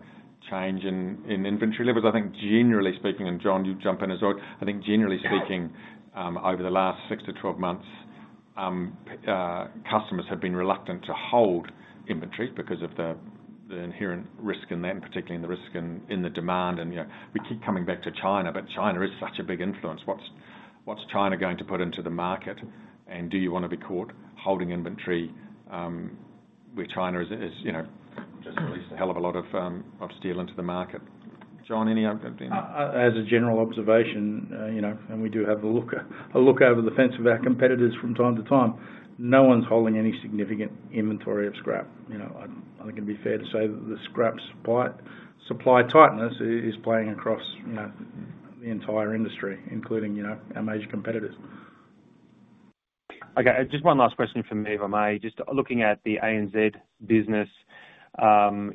change in inventory levels. I think generally speaking, and John, you jump in as well. I think generally speaking, over the last six to 12 months, customers have been reluctant to hold inventory because of the inherent risk in that, and particularly in the risk in the demand. And, you know, we keep coming back to China, but China is such a big influence. What's China going to put into the market? And do you wanna be caught holding inventory, where China is, you know, just released a hell of a lot of steel into the market. John, any other thing? As a general observation, you know, and we do have a look over the fence of our competitors from time to time, no one's holding any significant inventory of scrap. You know, I think it'd be fair to say that the scrap supply tightness is playing across, you know, the entire industry, including, you know, our major competitors. Okay, just one last question from me, if I may. Just looking at the ANZ business,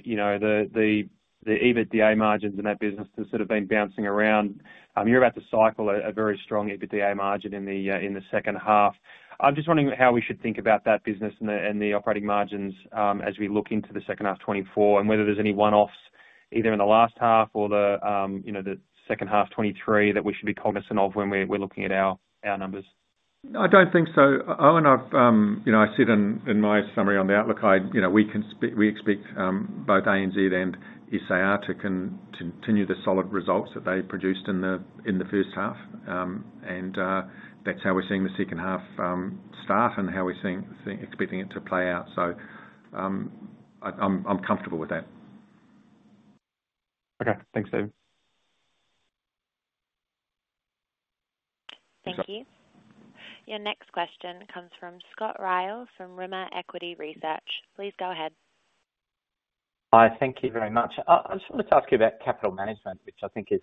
you know, the EBITDA margins in that business has sort of been bouncing around. You're about to cycle a very strong EBITDA margin in the second half. I'm just wondering how we should think about that business and the operating margins as we look into the second half 2024, and whether there's any one-offs either in the last half or the second half 2023, that we should be cognizant of when we're looking at our numbers? I don't think so. Owen, I've you know, I said in my summary on the outlook, you know, we expect both ANZ and SAR to continue the solid results that they produced in the first half. And that's how we're seeing the second half start and how we're expecting it to play out. So, I'm comfortable with that. Okay. Thanks, Stephen. Thank you. Your next question comes from Scott Ryall, from Rimor Equity Research. Please go ahead. Hi, thank you very much. I just wanted to ask you about capital management, which I think is,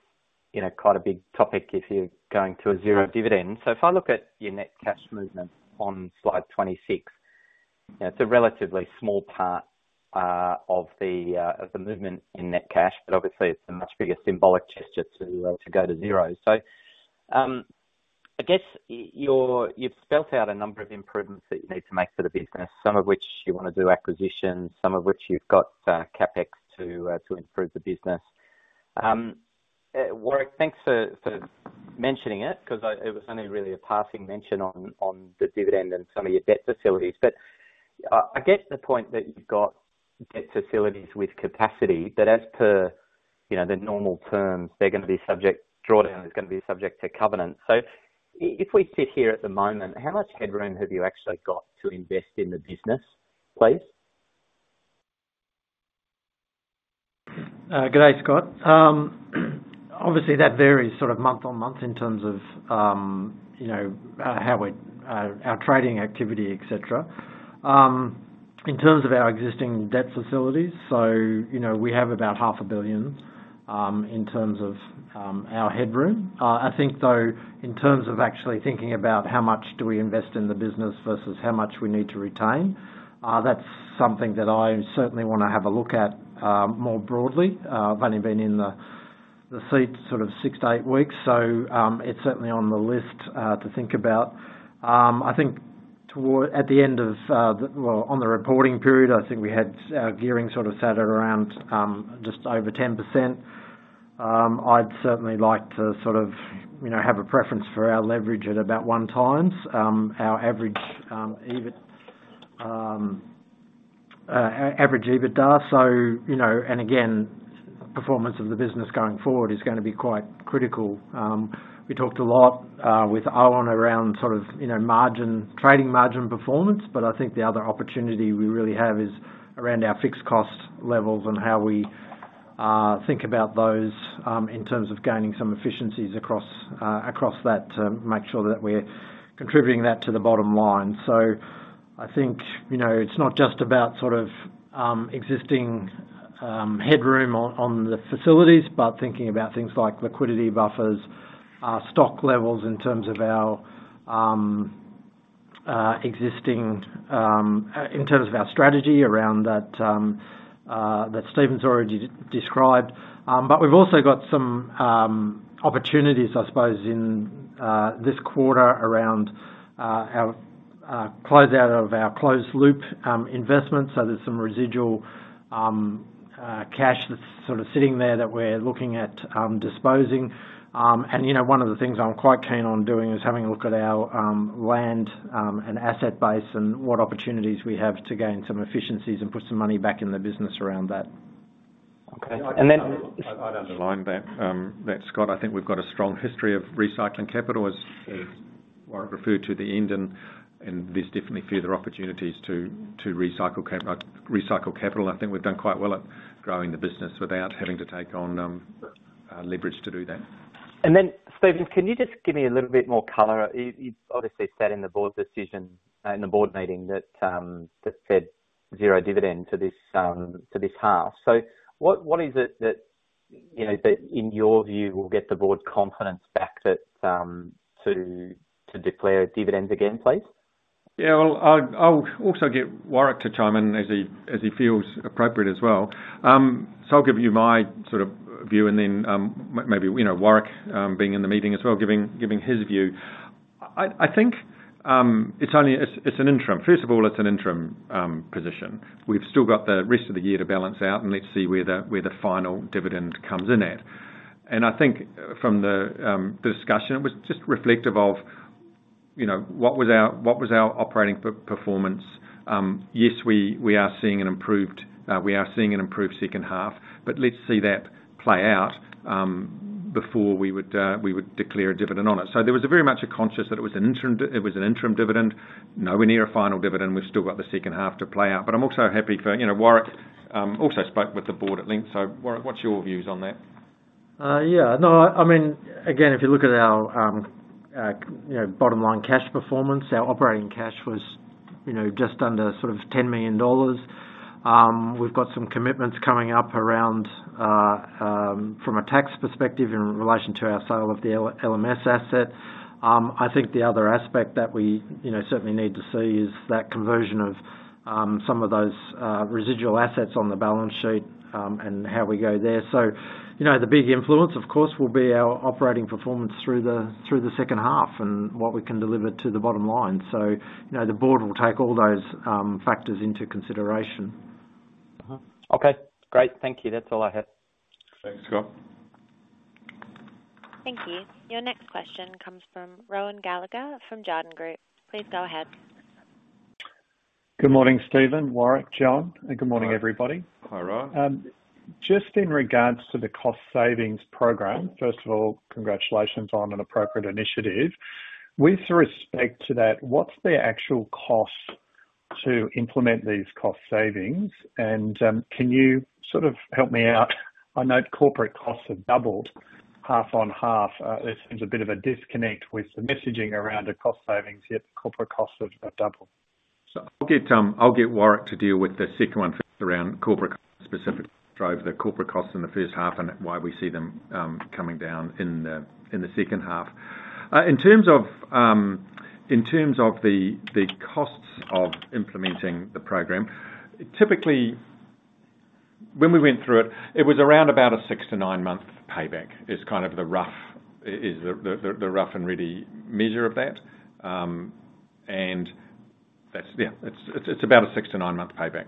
you know, quite a big topic if you're going to a zero dividend. So if I look at your net cash movement on slide 26, you know, it's a relatively small part of the movement in net cash, but obviously it's a much bigger symbolic gesture to go to zero. So, I guess you're, you've spelled out a number of improvements that you need to make to the business, some of which you wanna do acquisitions, some of which you've got CapEx to improve the business. Warrick, thanks for mentioning it, 'cause it was only really a passing mention on the dividend and some of your debt facilities. I get the point that you've got debt facilities with capacity, that as per, you know, the normal terms, they're gonna be subject, drawdown is gonna be subject to covenant. So if we sit here at the moment, how much headroom have you actually got to invest in the business, please? Good day, Scott. Obviously, that varies sort of month-on-month in terms of, you know, how we, our trading activity, et cetera. In terms of our existing debt facilities, so, you know, we have about 500 million in terms of our headroom. I think though, in terms of actually thinking about how much do we invest in the business versus how much we need to retain, that's something that I certainly wanna have a look at more broadly. I've only been in the seat sort of six to eight weeks, so, it's certainly on the list to think about. I think at the end of the... Well, on the reporting period, I think we had our gearing sort of sat at around just over 10%. I'd certainly like to sort of, you know, have a preference for our leverage at about 1x our average EBIT, average EBITDA. So, you know, and again, performance of the business going forward is gonna be quite critical. We talked a lot with Owen around sort of, you know, margin, trading margin performance, but I think the other opportunity we really have is around our fixed cost levels and how we think about those in terms of gaining some efficiencies across, across that to make sure that we're contributing that to the bottom line. So I think, you know, it's not just about sort of, existing headroom on the facilities, but thinking about things like liquidity buffers, stock levels in terms of our existing in terms of our strategy around that, that Stephen's already described. But we've also got some opportunities, I suppose, in this quarter around our closeout of our closed loop investment. So there's some residual cash that's sort of sitting there that we're looking at disposing. And, you know, one of the things I'm quite keen on doing is having a look at our land and asset base, and what opportunities we have to gain some efficiencies and put some money back in the business around that. Okay. And then- I'd underline that, Scott, I think we've got a strong history of recycling capital, as Warrick referred to at the end, and there's definitely further opportunities to recycle capital. I think we've done quite well at growing the business without having to take on leverage to do that. Then Stephen, can you just give me a little bit more color? You obviously said in the board decision, in the board meeting that that said zero dividend to this half. So what is it that, you know, that in your view, will get the board's confidence back that to declare dividends again, please? Yeah, well, I'll also get Warrick to chime in as he feels appropriate as well. So I'll give you my sort of view and then maybe, you know, Warrick being in the meeting as well, giving his view. I think it's only an interim. First of all, it's an interim position. We've still got the rest of the year to balance out, and let's see where the final dividend comes in at. And I think from the discussion, it was just reflective of, you know, what was our operating performance? Yes, we are seeing an improved second half, but let's see that play out before we would declare a dividend on it. So there was very much a consensus that it was an interim dividend. Nowhere near a final dividend, we've still got the second half to play out. But I'm also happy for, you know, Warrick, also spoke with the board at length. So Warrick, what's your views on that? Yeah, no, I mean, again, if you look at our, you know, bottom line cash performance, our operating cash was, you know, just under $10 million. We've got some commitments coming up around, from a tax perspective in relation to our sale of the LMS asset. I think the other aspect that we, you know, certainly need to see is that conversion of some of those residual assets on the balance sheet, and how we go there. So, you know, the big influence, of course, will be our operating performance through the second half and what we can deliver to the bottom line. So, you know, the board will take all those factors into consideration. Uh-huh. Okay, great. Thank you. That's all I had. Thanks, Scott. Thank you. Your next question comes from Rohan Gallagher from Jarden Group. Please go ahead. Good morning, Stephen, Warrick, John, and good morning, everybody. Hi, Rohan. Just in regards to the cost savings program, first of all, congratulations on an appropriate initiative. With respect to that, what's the actual cost to implement these cost savings? And, can you sort of help me out? I know corporate costs have doubled half on half. There seems a bit of a disconnect with the messaging around the cost savings, yet the corporate costs have doubled. So I'll get Warrick to deal with the second one first, around corporate costs, specifically, drove the corporate costs in the first half and why we see them coming down in the second half. In terms of the costs of implementing the program, typically, when we went through it, it was around about a six to nine month payback, is kind of the rough and ready measure of that. And that's... Yeah, it's about a six to nine month payback.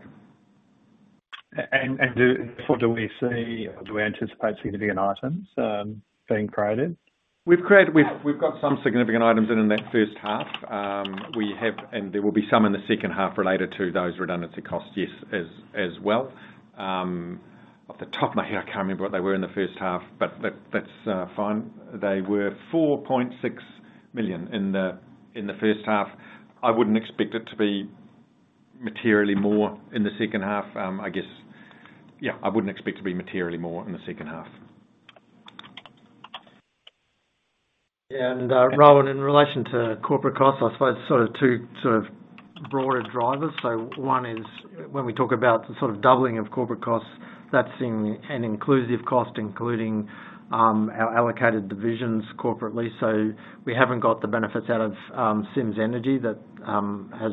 And do we see or do we anticipate significant items being created? We've got some significant items in that first half. We have, and there will be some in the second half related to those redundancy costs, yes, as well. Off the top of my head, I can't remember what they were in the first half, but that's fine. They were 4.6 million in the first half. I wouldn't expect it to be materially more in the second half. I guess, yeah, I wouldn't expect to be materially more in the second half. Yeah, and, Rohan, in relation to corporate costs, I suppose sort of two sort of broader drivers. So one is when we talk about the sort of doubling of corporate costs, that's in an inclusive cost, including, our allocated divisions corporately. So we haven't got the benefits out of, LMS Energy that, has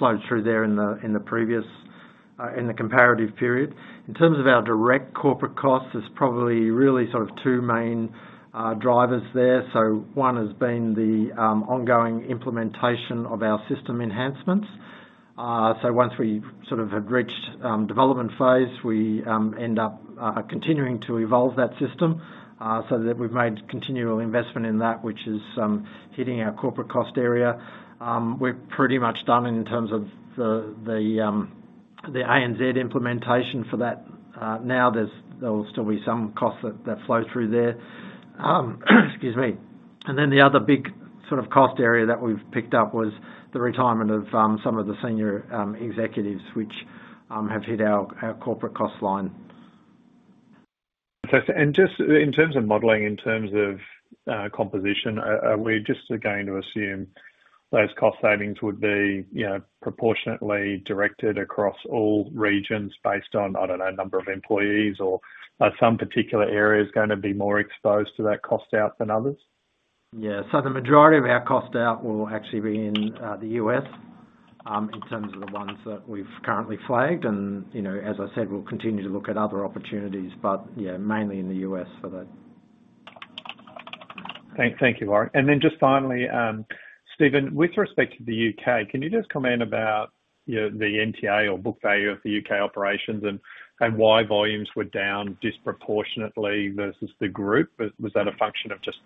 flowed through there in the, in the previous, in the comparative period. In terms of our direct corporate costs, there's probably really sort of two main, drivers there. So one has been the, ongoing implementation of our system enhancements. So once we sort of had reached, development phase, we, end up, continuing to evolve that system, so that we've made continual investment in that, which is, hitting our corporate cost area. We're pretty much done in terms of the ANZ implementation for that. Now, there will still be some costs that flow through there. Excuse me. And then the other big sort of cost area that we've picked up was the retirement of some of the senior executives, which have hit our corporate cost line. Just in terms of modeling, in terms of composition, are we just going to assume those cost savings would be, you know, proportionately directed across all regions based on, I don't know, number of employees, or are some particular areas gonna be more exposed to that cost out than others? Yeah. So the majority of our cost out will actually be in the U.S., in terms of the ones that we've currently flagged. You know, as I said, we'll continue to look at other opportunities, but yeah, mainly in the U.S. for that. Thank you, Warrick. And then just finally, Stephen, with respect to the U.K., can you just comment about, you know, the NTA or book value of the UK operations and why volumes were down disproportionately versus the group? Was that a function of just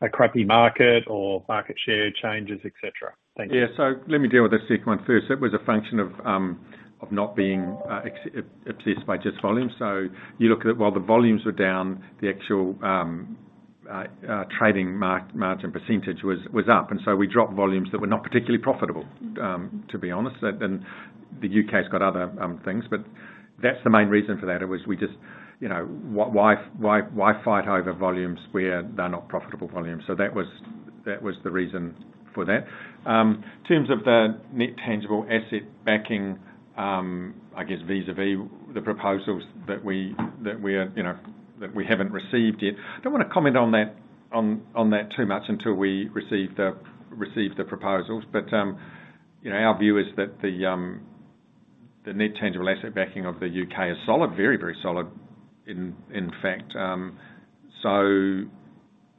a crappy market or market share changes, et cetera? Thank you. Yeah. So let me deal with the second one first. It was a function of not being excessively obsessed by just volume. So you look at it, while the volumes were down, the actual trading margin percentage was up, and so we dropped volumes that were not particularly profitable, to be honest. And the U.K.'s got other things, but that's the main reason for that. It was we just, you know, why, why, why fight over volumes where they're not profitable volumes? So that was the reason for that. In terms of the net tangible asset backing, I guess, vis-à-vis the proposals that we are, you know, that we haven't received yet, I don't wanna comment on that too much until we receive the proposals. But, you know, our view is that the net tangible asset backing of the U.K. is solid, very, very solid, in fact. So,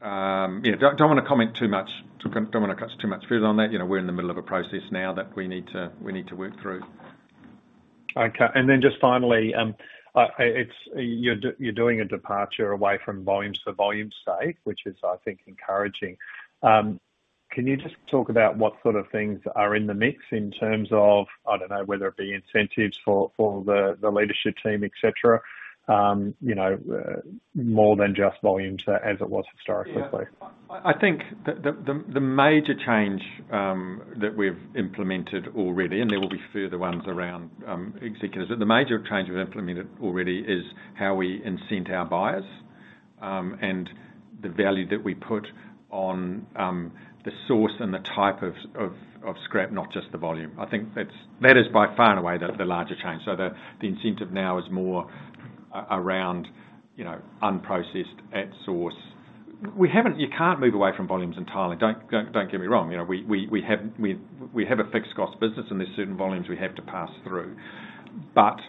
yeah, don't, don't wanna comment too much. Don't, don't wanna cut too much further on that. You know, we're in the middle of a process now that we need to, we need to work through. Okay. And then just finally, it's you're doing a departure away from volumes to volume safe, which is, I think, encouraging. Can you just talk about what sort of things are in the mix in terms of, I don't know, whether it be incentives for the leadership team, et cetera, you know, more than just volumes as it was historically? Yeah. I think the major change that we've implemented already, and there will be further ones around executives, but the major change we've implemented already is how we incent our buyers, and the value that we put on the source and the type of scrap, not just the volume. I think that's by far and away the larger change. So the incentive now is more around, you know, unprocessed at source. You can't move away from volumes entirely. Don't get me wrong, you know, we have a fixed cost business and there's certain volumes we have to pass through. But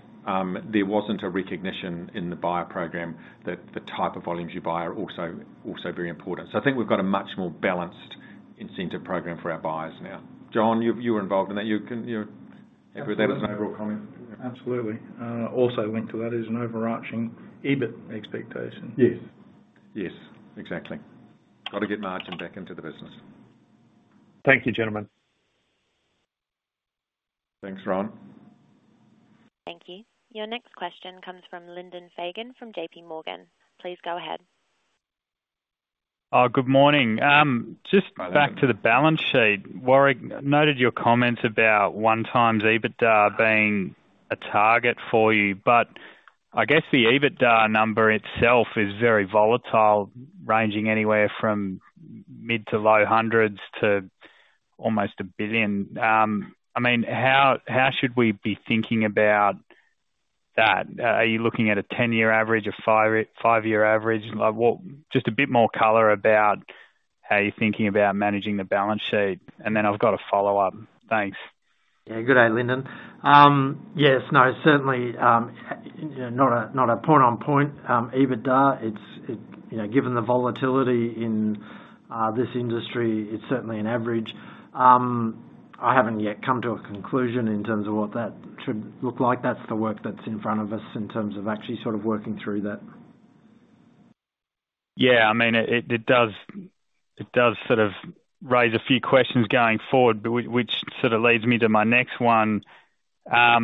there wasn't a recognition in the buyer program that the type of volumes you buy are also very important. So I think we've got a much more balanced incentive program for our buyers now. John, you were involved in that. You can, you- Absolutely. Add that as an overall comment. Absolutely. Also linked to that is an overarching EBIT expectation. Yes. Yes, exactly. Gotta get margin back into the business. Thank you, gentlemen. Thanks, Ron. Thank you. Your next question comes from Lyndon Fagan, from JPMorgan. Please go ahead. Good morning. Good morning. Back to the balance sheet. Warrick, noted your comment about 1x EBITDA being a target for you, but I guess the EBITDA number itself is very volatile, ranging anywhere from mid- to low hundreds to almost 1 billion. I mean, how, how should we be thinking about that? Are you looking at a 10-year average, a five year average? Like, what... Just a bit more color about how you're thinking about managing the balance sheet, and then I've got a follow-up. Thanks. Yeah. Good day, Lyndon. Yes, no, certainly, you know, not a point on point EBITDA. It's you know, given the volatility in this industry, it's certainly an average. I haven't yet come to a conclusion in terms of what that should look like. That's the work that's in front of us in terms of actually sort of working through that. Yeah, I mean, it, it does, it does sort of raise a few questions going forward, but which, which sort of leads me to my next one. I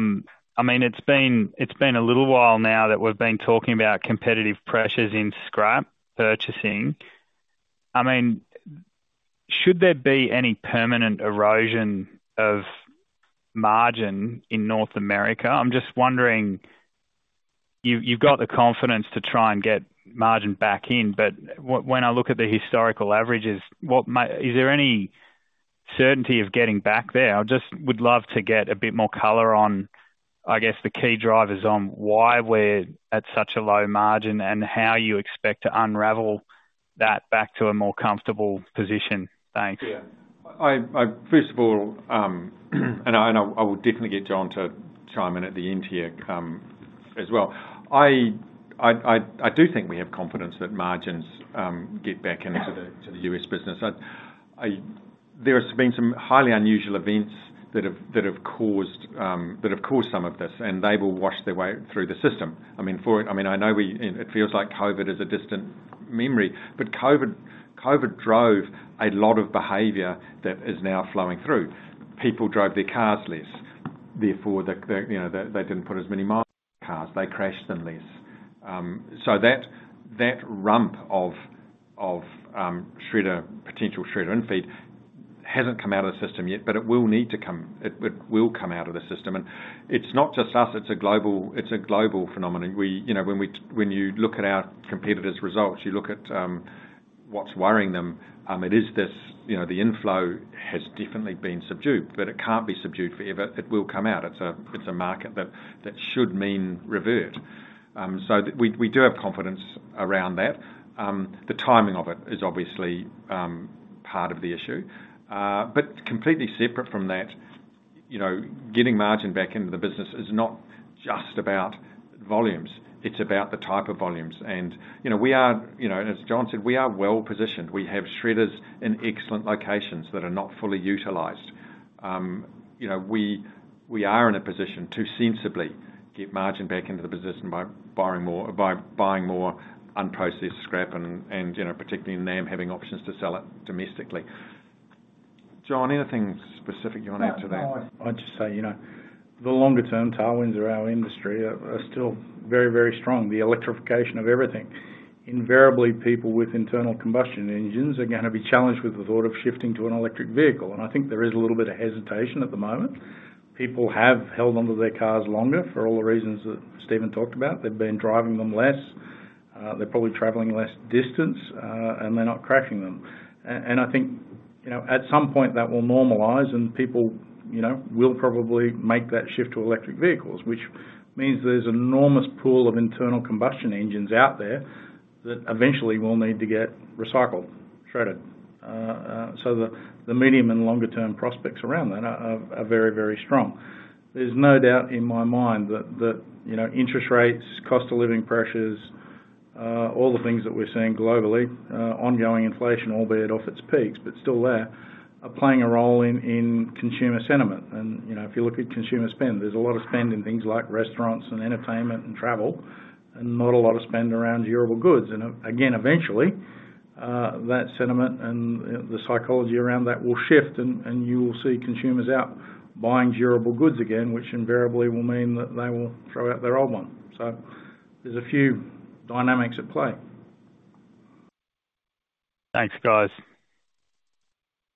mean, it's been, it's been a little while now that we've been talking about competitive pressures in scrap purchasing. I mean, should there be any permanent erosion of margin in North America? I'm just wondering, you've, you've got the confidence to try and get margin back in, but when I look at the historical averages, what might—is there any certainty of getting back there? I just would love to get a bit more color on, I guess, the key drivers on why we're at such a low margin and how you expect to unravel that back to a more comfortable position. Thanks. Yeah. First of all, I will definitely get John to chime in at the end here, as well. I do think we have confidence that margins get back into the U.S. business. There has been some highly unusual events that have caused some of this, and they will wash their way through the system. I mean, I know we, and it feels like COVID is a distant memory, but COVID drove a lot of behavior that is now flowing through. People drove their cars less, therefore, the, you know, they didn't put as many miles on cars, they crashed them less. So that rump of shredder potential shredder infeed hasn't come out of the system yet, but it will need to come. It will come out of the system. And it's not just us, it's a global phenomenon. You know, when you look at our competitors' results, you look at what's worrying them, it is this, you know, the inflow has definitely been subdued, but it can't be subdued forever. It will come out. It's a market that should mean revert. So we do have confidence around that. The timing of it is obviously part of the issue. But completely separate from that, you know, getting margin back into the business is not just about volumes, it's about the type of volumes. You know, we are, you know, and as John said, we are well positioned. We have shredders in excellent locations that are not fully utilized. You know, we are in a position to sensibly get margin back into the position by borrowing more, by buying more unprocessed scrap and, you know, particularly in NAM, having options to sell it domestically. John, anything specific you wanna add to that? No, I'd just say, you know, the longer term tailwinds of our industry are still very, very strong, the electrification of everything. Invariably, people with internal combustion engines are gonna be challenged with the thought of shifting to an electric vehicle, and I think there is a little bit of hesitation at the moment. People have held onto their cars longer for all the reasons that Stephen talked about. They've been driving them less, they're probably traveling less distance, and they're not crashing them. And I think, you know, at some point that will normalize and people, you know, will probably make that shift to electric vehicles, which means there's an enormous pool of internal combustion engines out there-... that eventually will need to get recycled, shredded. So the medium- and longer-term prospects around that are very, very strong. There's no doubt in my mind that, you know, interest rates, cost of living pressures, all the things that we're seeing globally, ongoing inflation, albeit off its peaks, but still there, are playing a role in consumer sentiment. And, you know, if you look at consumer spend, there's a lot of spend in things like restaurants and entertainment and travel, and not a lot of spend around durable goods. And again, eventually, that sentiment and the psychology around that will shift, and you will see consumers out buying durable goods again, which invariably will mean that they will throw out their old one. So there's a few dynamics at play. Thanks, guys.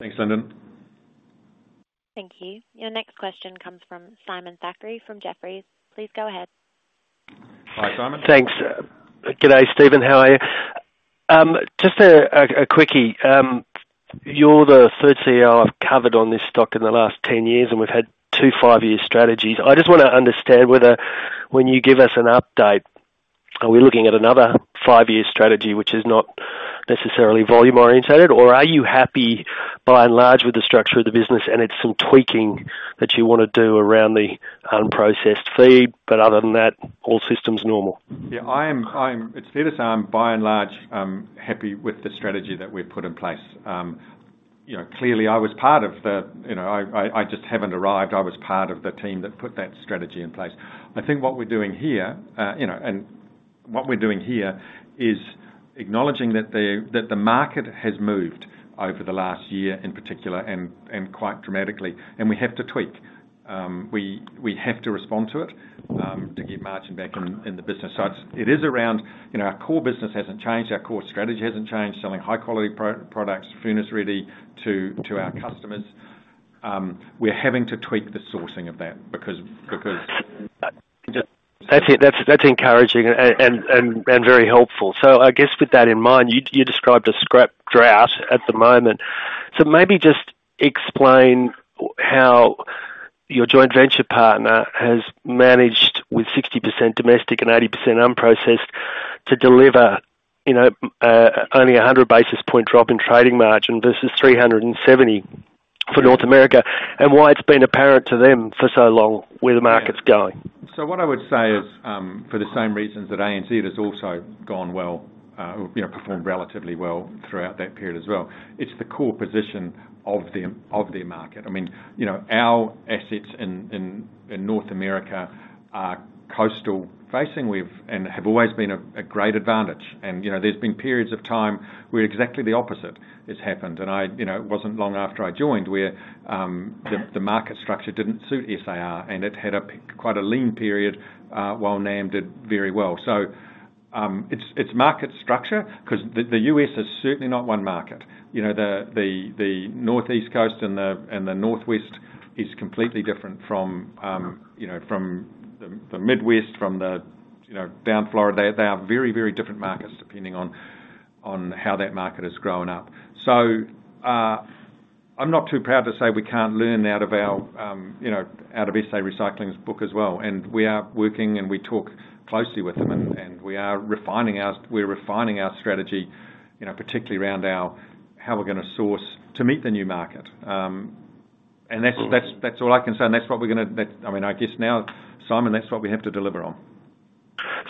Thanks, Lyndon. Thank you. Your next question comes from Simon Thackray, from Jefferies. Please go ahead. Hi, Simon. Thanks. Good day, Stephen. How are you? Just a quickie. You're the third CEO I've covered on this stock in the last 10 years, and we've had two five-year strategies. I just wanna understand whether when you give us an update, are we looking at another five year strategy which is not necessarily volume-oriented? Or are you happy by and large with the structure of the business, and it's some tweaking that you wanna do around the unprocessed fee, but other than that, all systems normal? Yeah, I am. I'm... It's fair to say I'm, by and large, happy with the strategy that we've put in place. You know, clearly, I was part of the, you know, I, I, I just haven't arrived. I was part of the team that put that strategy in place. I think what we're doing here, you know, and what we're doing here is acknowledging that the, that the market has moved over the last year, in particular, and quite dramatically, and we have to tweak. We have to respond to it, to get margin back in the business. So it's, it is around... You know, our core business hasn't changed, our core strategy hasn't changed, selling high-quality pro- products, furnace ready to, to our customers. We're having to tweak the sourcing of that because, because- That's it. That's encouraging and very helpful. So I guess with that in mind, you described a scrap drought at the moment. So maybe just explain how your joint venture partner has managed, with 60% domestic and 80% unprocessed, to deliver, you know, only a 100 basis point drop in trading margin versus 370 for North America, and why it's been apparent to them for so long, where the market's going? So what I would say is, for the same reasons that ANZ has also gone well, or, you know, performed relatively well throughout that period as well. It's the core position of their, of their market. I mean, you know, our assets in North America are coastal facing. We've and have always been a great advantage. And, you know, there's been periods of time where exactly the opposite has happened. And I... You know, it wasn't long after I joined, where, the, the market structure didn't suit SAR, and it had quite a lean period, while NAM did very well. So, it's, it's market structure, 'cause the, the U.S. is certainly not one market. You know, the Northeast Coast and the Northwest is completely different from, you know, from the Midwest, from the, you know, down Florida. They are very, very different markets depending on how that market has grown up. So, I'm not too proud to say we can't learn out of our, you know, out of SA Recycling's book as well, and we are working, and we talk closely with them, and we are refining our- we're refining our strategy, you know, particularly around our, how we're gonna source to meet the new market. And that's all I can say, and that's what we're gonna-- That, I mean, I guess now, Simon, that's what we have to deliver on.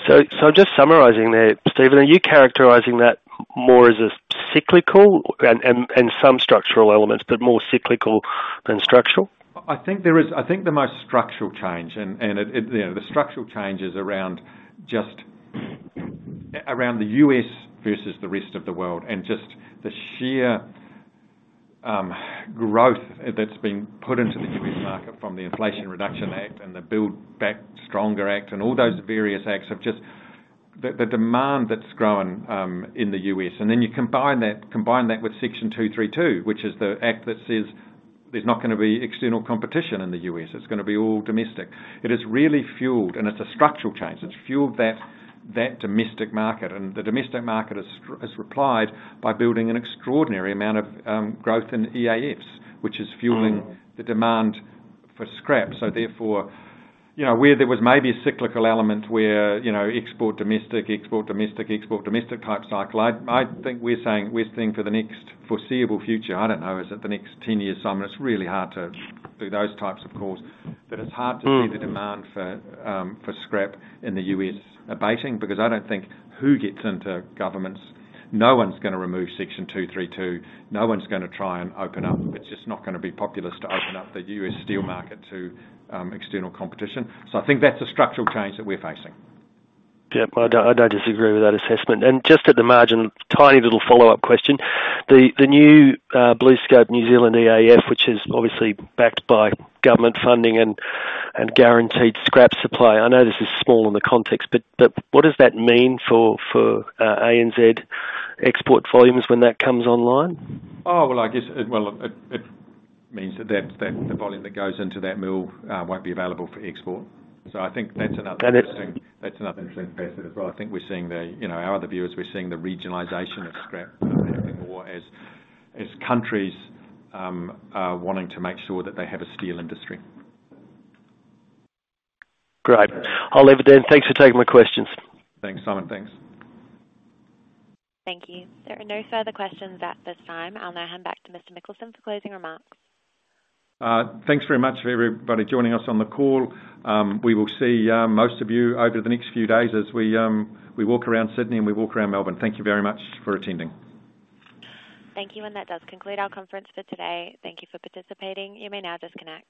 So, just summarizing there, Stephen, are you characterizing that more as a cyclical and some structural elements, but more cyclical than structural? I think the most structural change, and it, you know, the structural change is around just around the U.S. versus the rest of the world, and just the sheer growth that's been put into the U.S. market from the Inflation Reduction Act and the Build Back Stronger Act and all those various acts have just. The demand that's grown in the U.S., and then you combine that with Section 232, which is the act that says there's not gonna be external competition in the U.S., it's gonna be all domestic. It has really fueled, and it's a structural change, it's fueled that domestic market. And the domestic market has replied by building an extraordinary amount of growth in EAFs, which is fueling the demand for scrap. Therefore, you know, where there was maybe a cyclical element where, you know, export, domestic, export, domestic, export, domestic type cycle, I think we're saying for the next foreseeable future, I don't know, is it the next 10 years, Simon? It's really hard to do those types of calls. But it's hard to see the demand for scrap in the U.S. abating, because I don't think who gets into governments, no one's gonna remove Section 232. No one's gonna try and open up. It's just not gonna be popular to open up the U.S. steel market to external competition. So I think that's a structural change that we're facing. Yep. I don't disagree with that assessment. And just at the margin, tiny little follow-up question: The new BlueScope New Zealand EAF, which is obviously backed by government funding and guaranteed scrap supply, I know this is small in the context, but what does that mean for ANZ export volumes when that comes online? Oh, well, I guess it... Well, it means that the volume that goes into that mill won't be available for export. So I think that's another- That is-... That's another interesting facet as well. I think we're seeing the, you know, our other view is we're seeing the regionalization of scrap more and more as countries are wanting to make sure that they have a steel industry. Great. I'll leave it then. Thanks for taking my questions. Thanks, Simon. Thanks. Thank you. There are no further questions at this time. I'll now hand back to Mr. Mikkelsen for closing remarks. Thanks very much for everybody joining us on the call. We will see most of you over the next few days as we walk around Sydney and we walk around Melbourne. Thank you very much for attending. Thank you, and that does conclude our conference for today. Thank you for participating. You may now disconnect.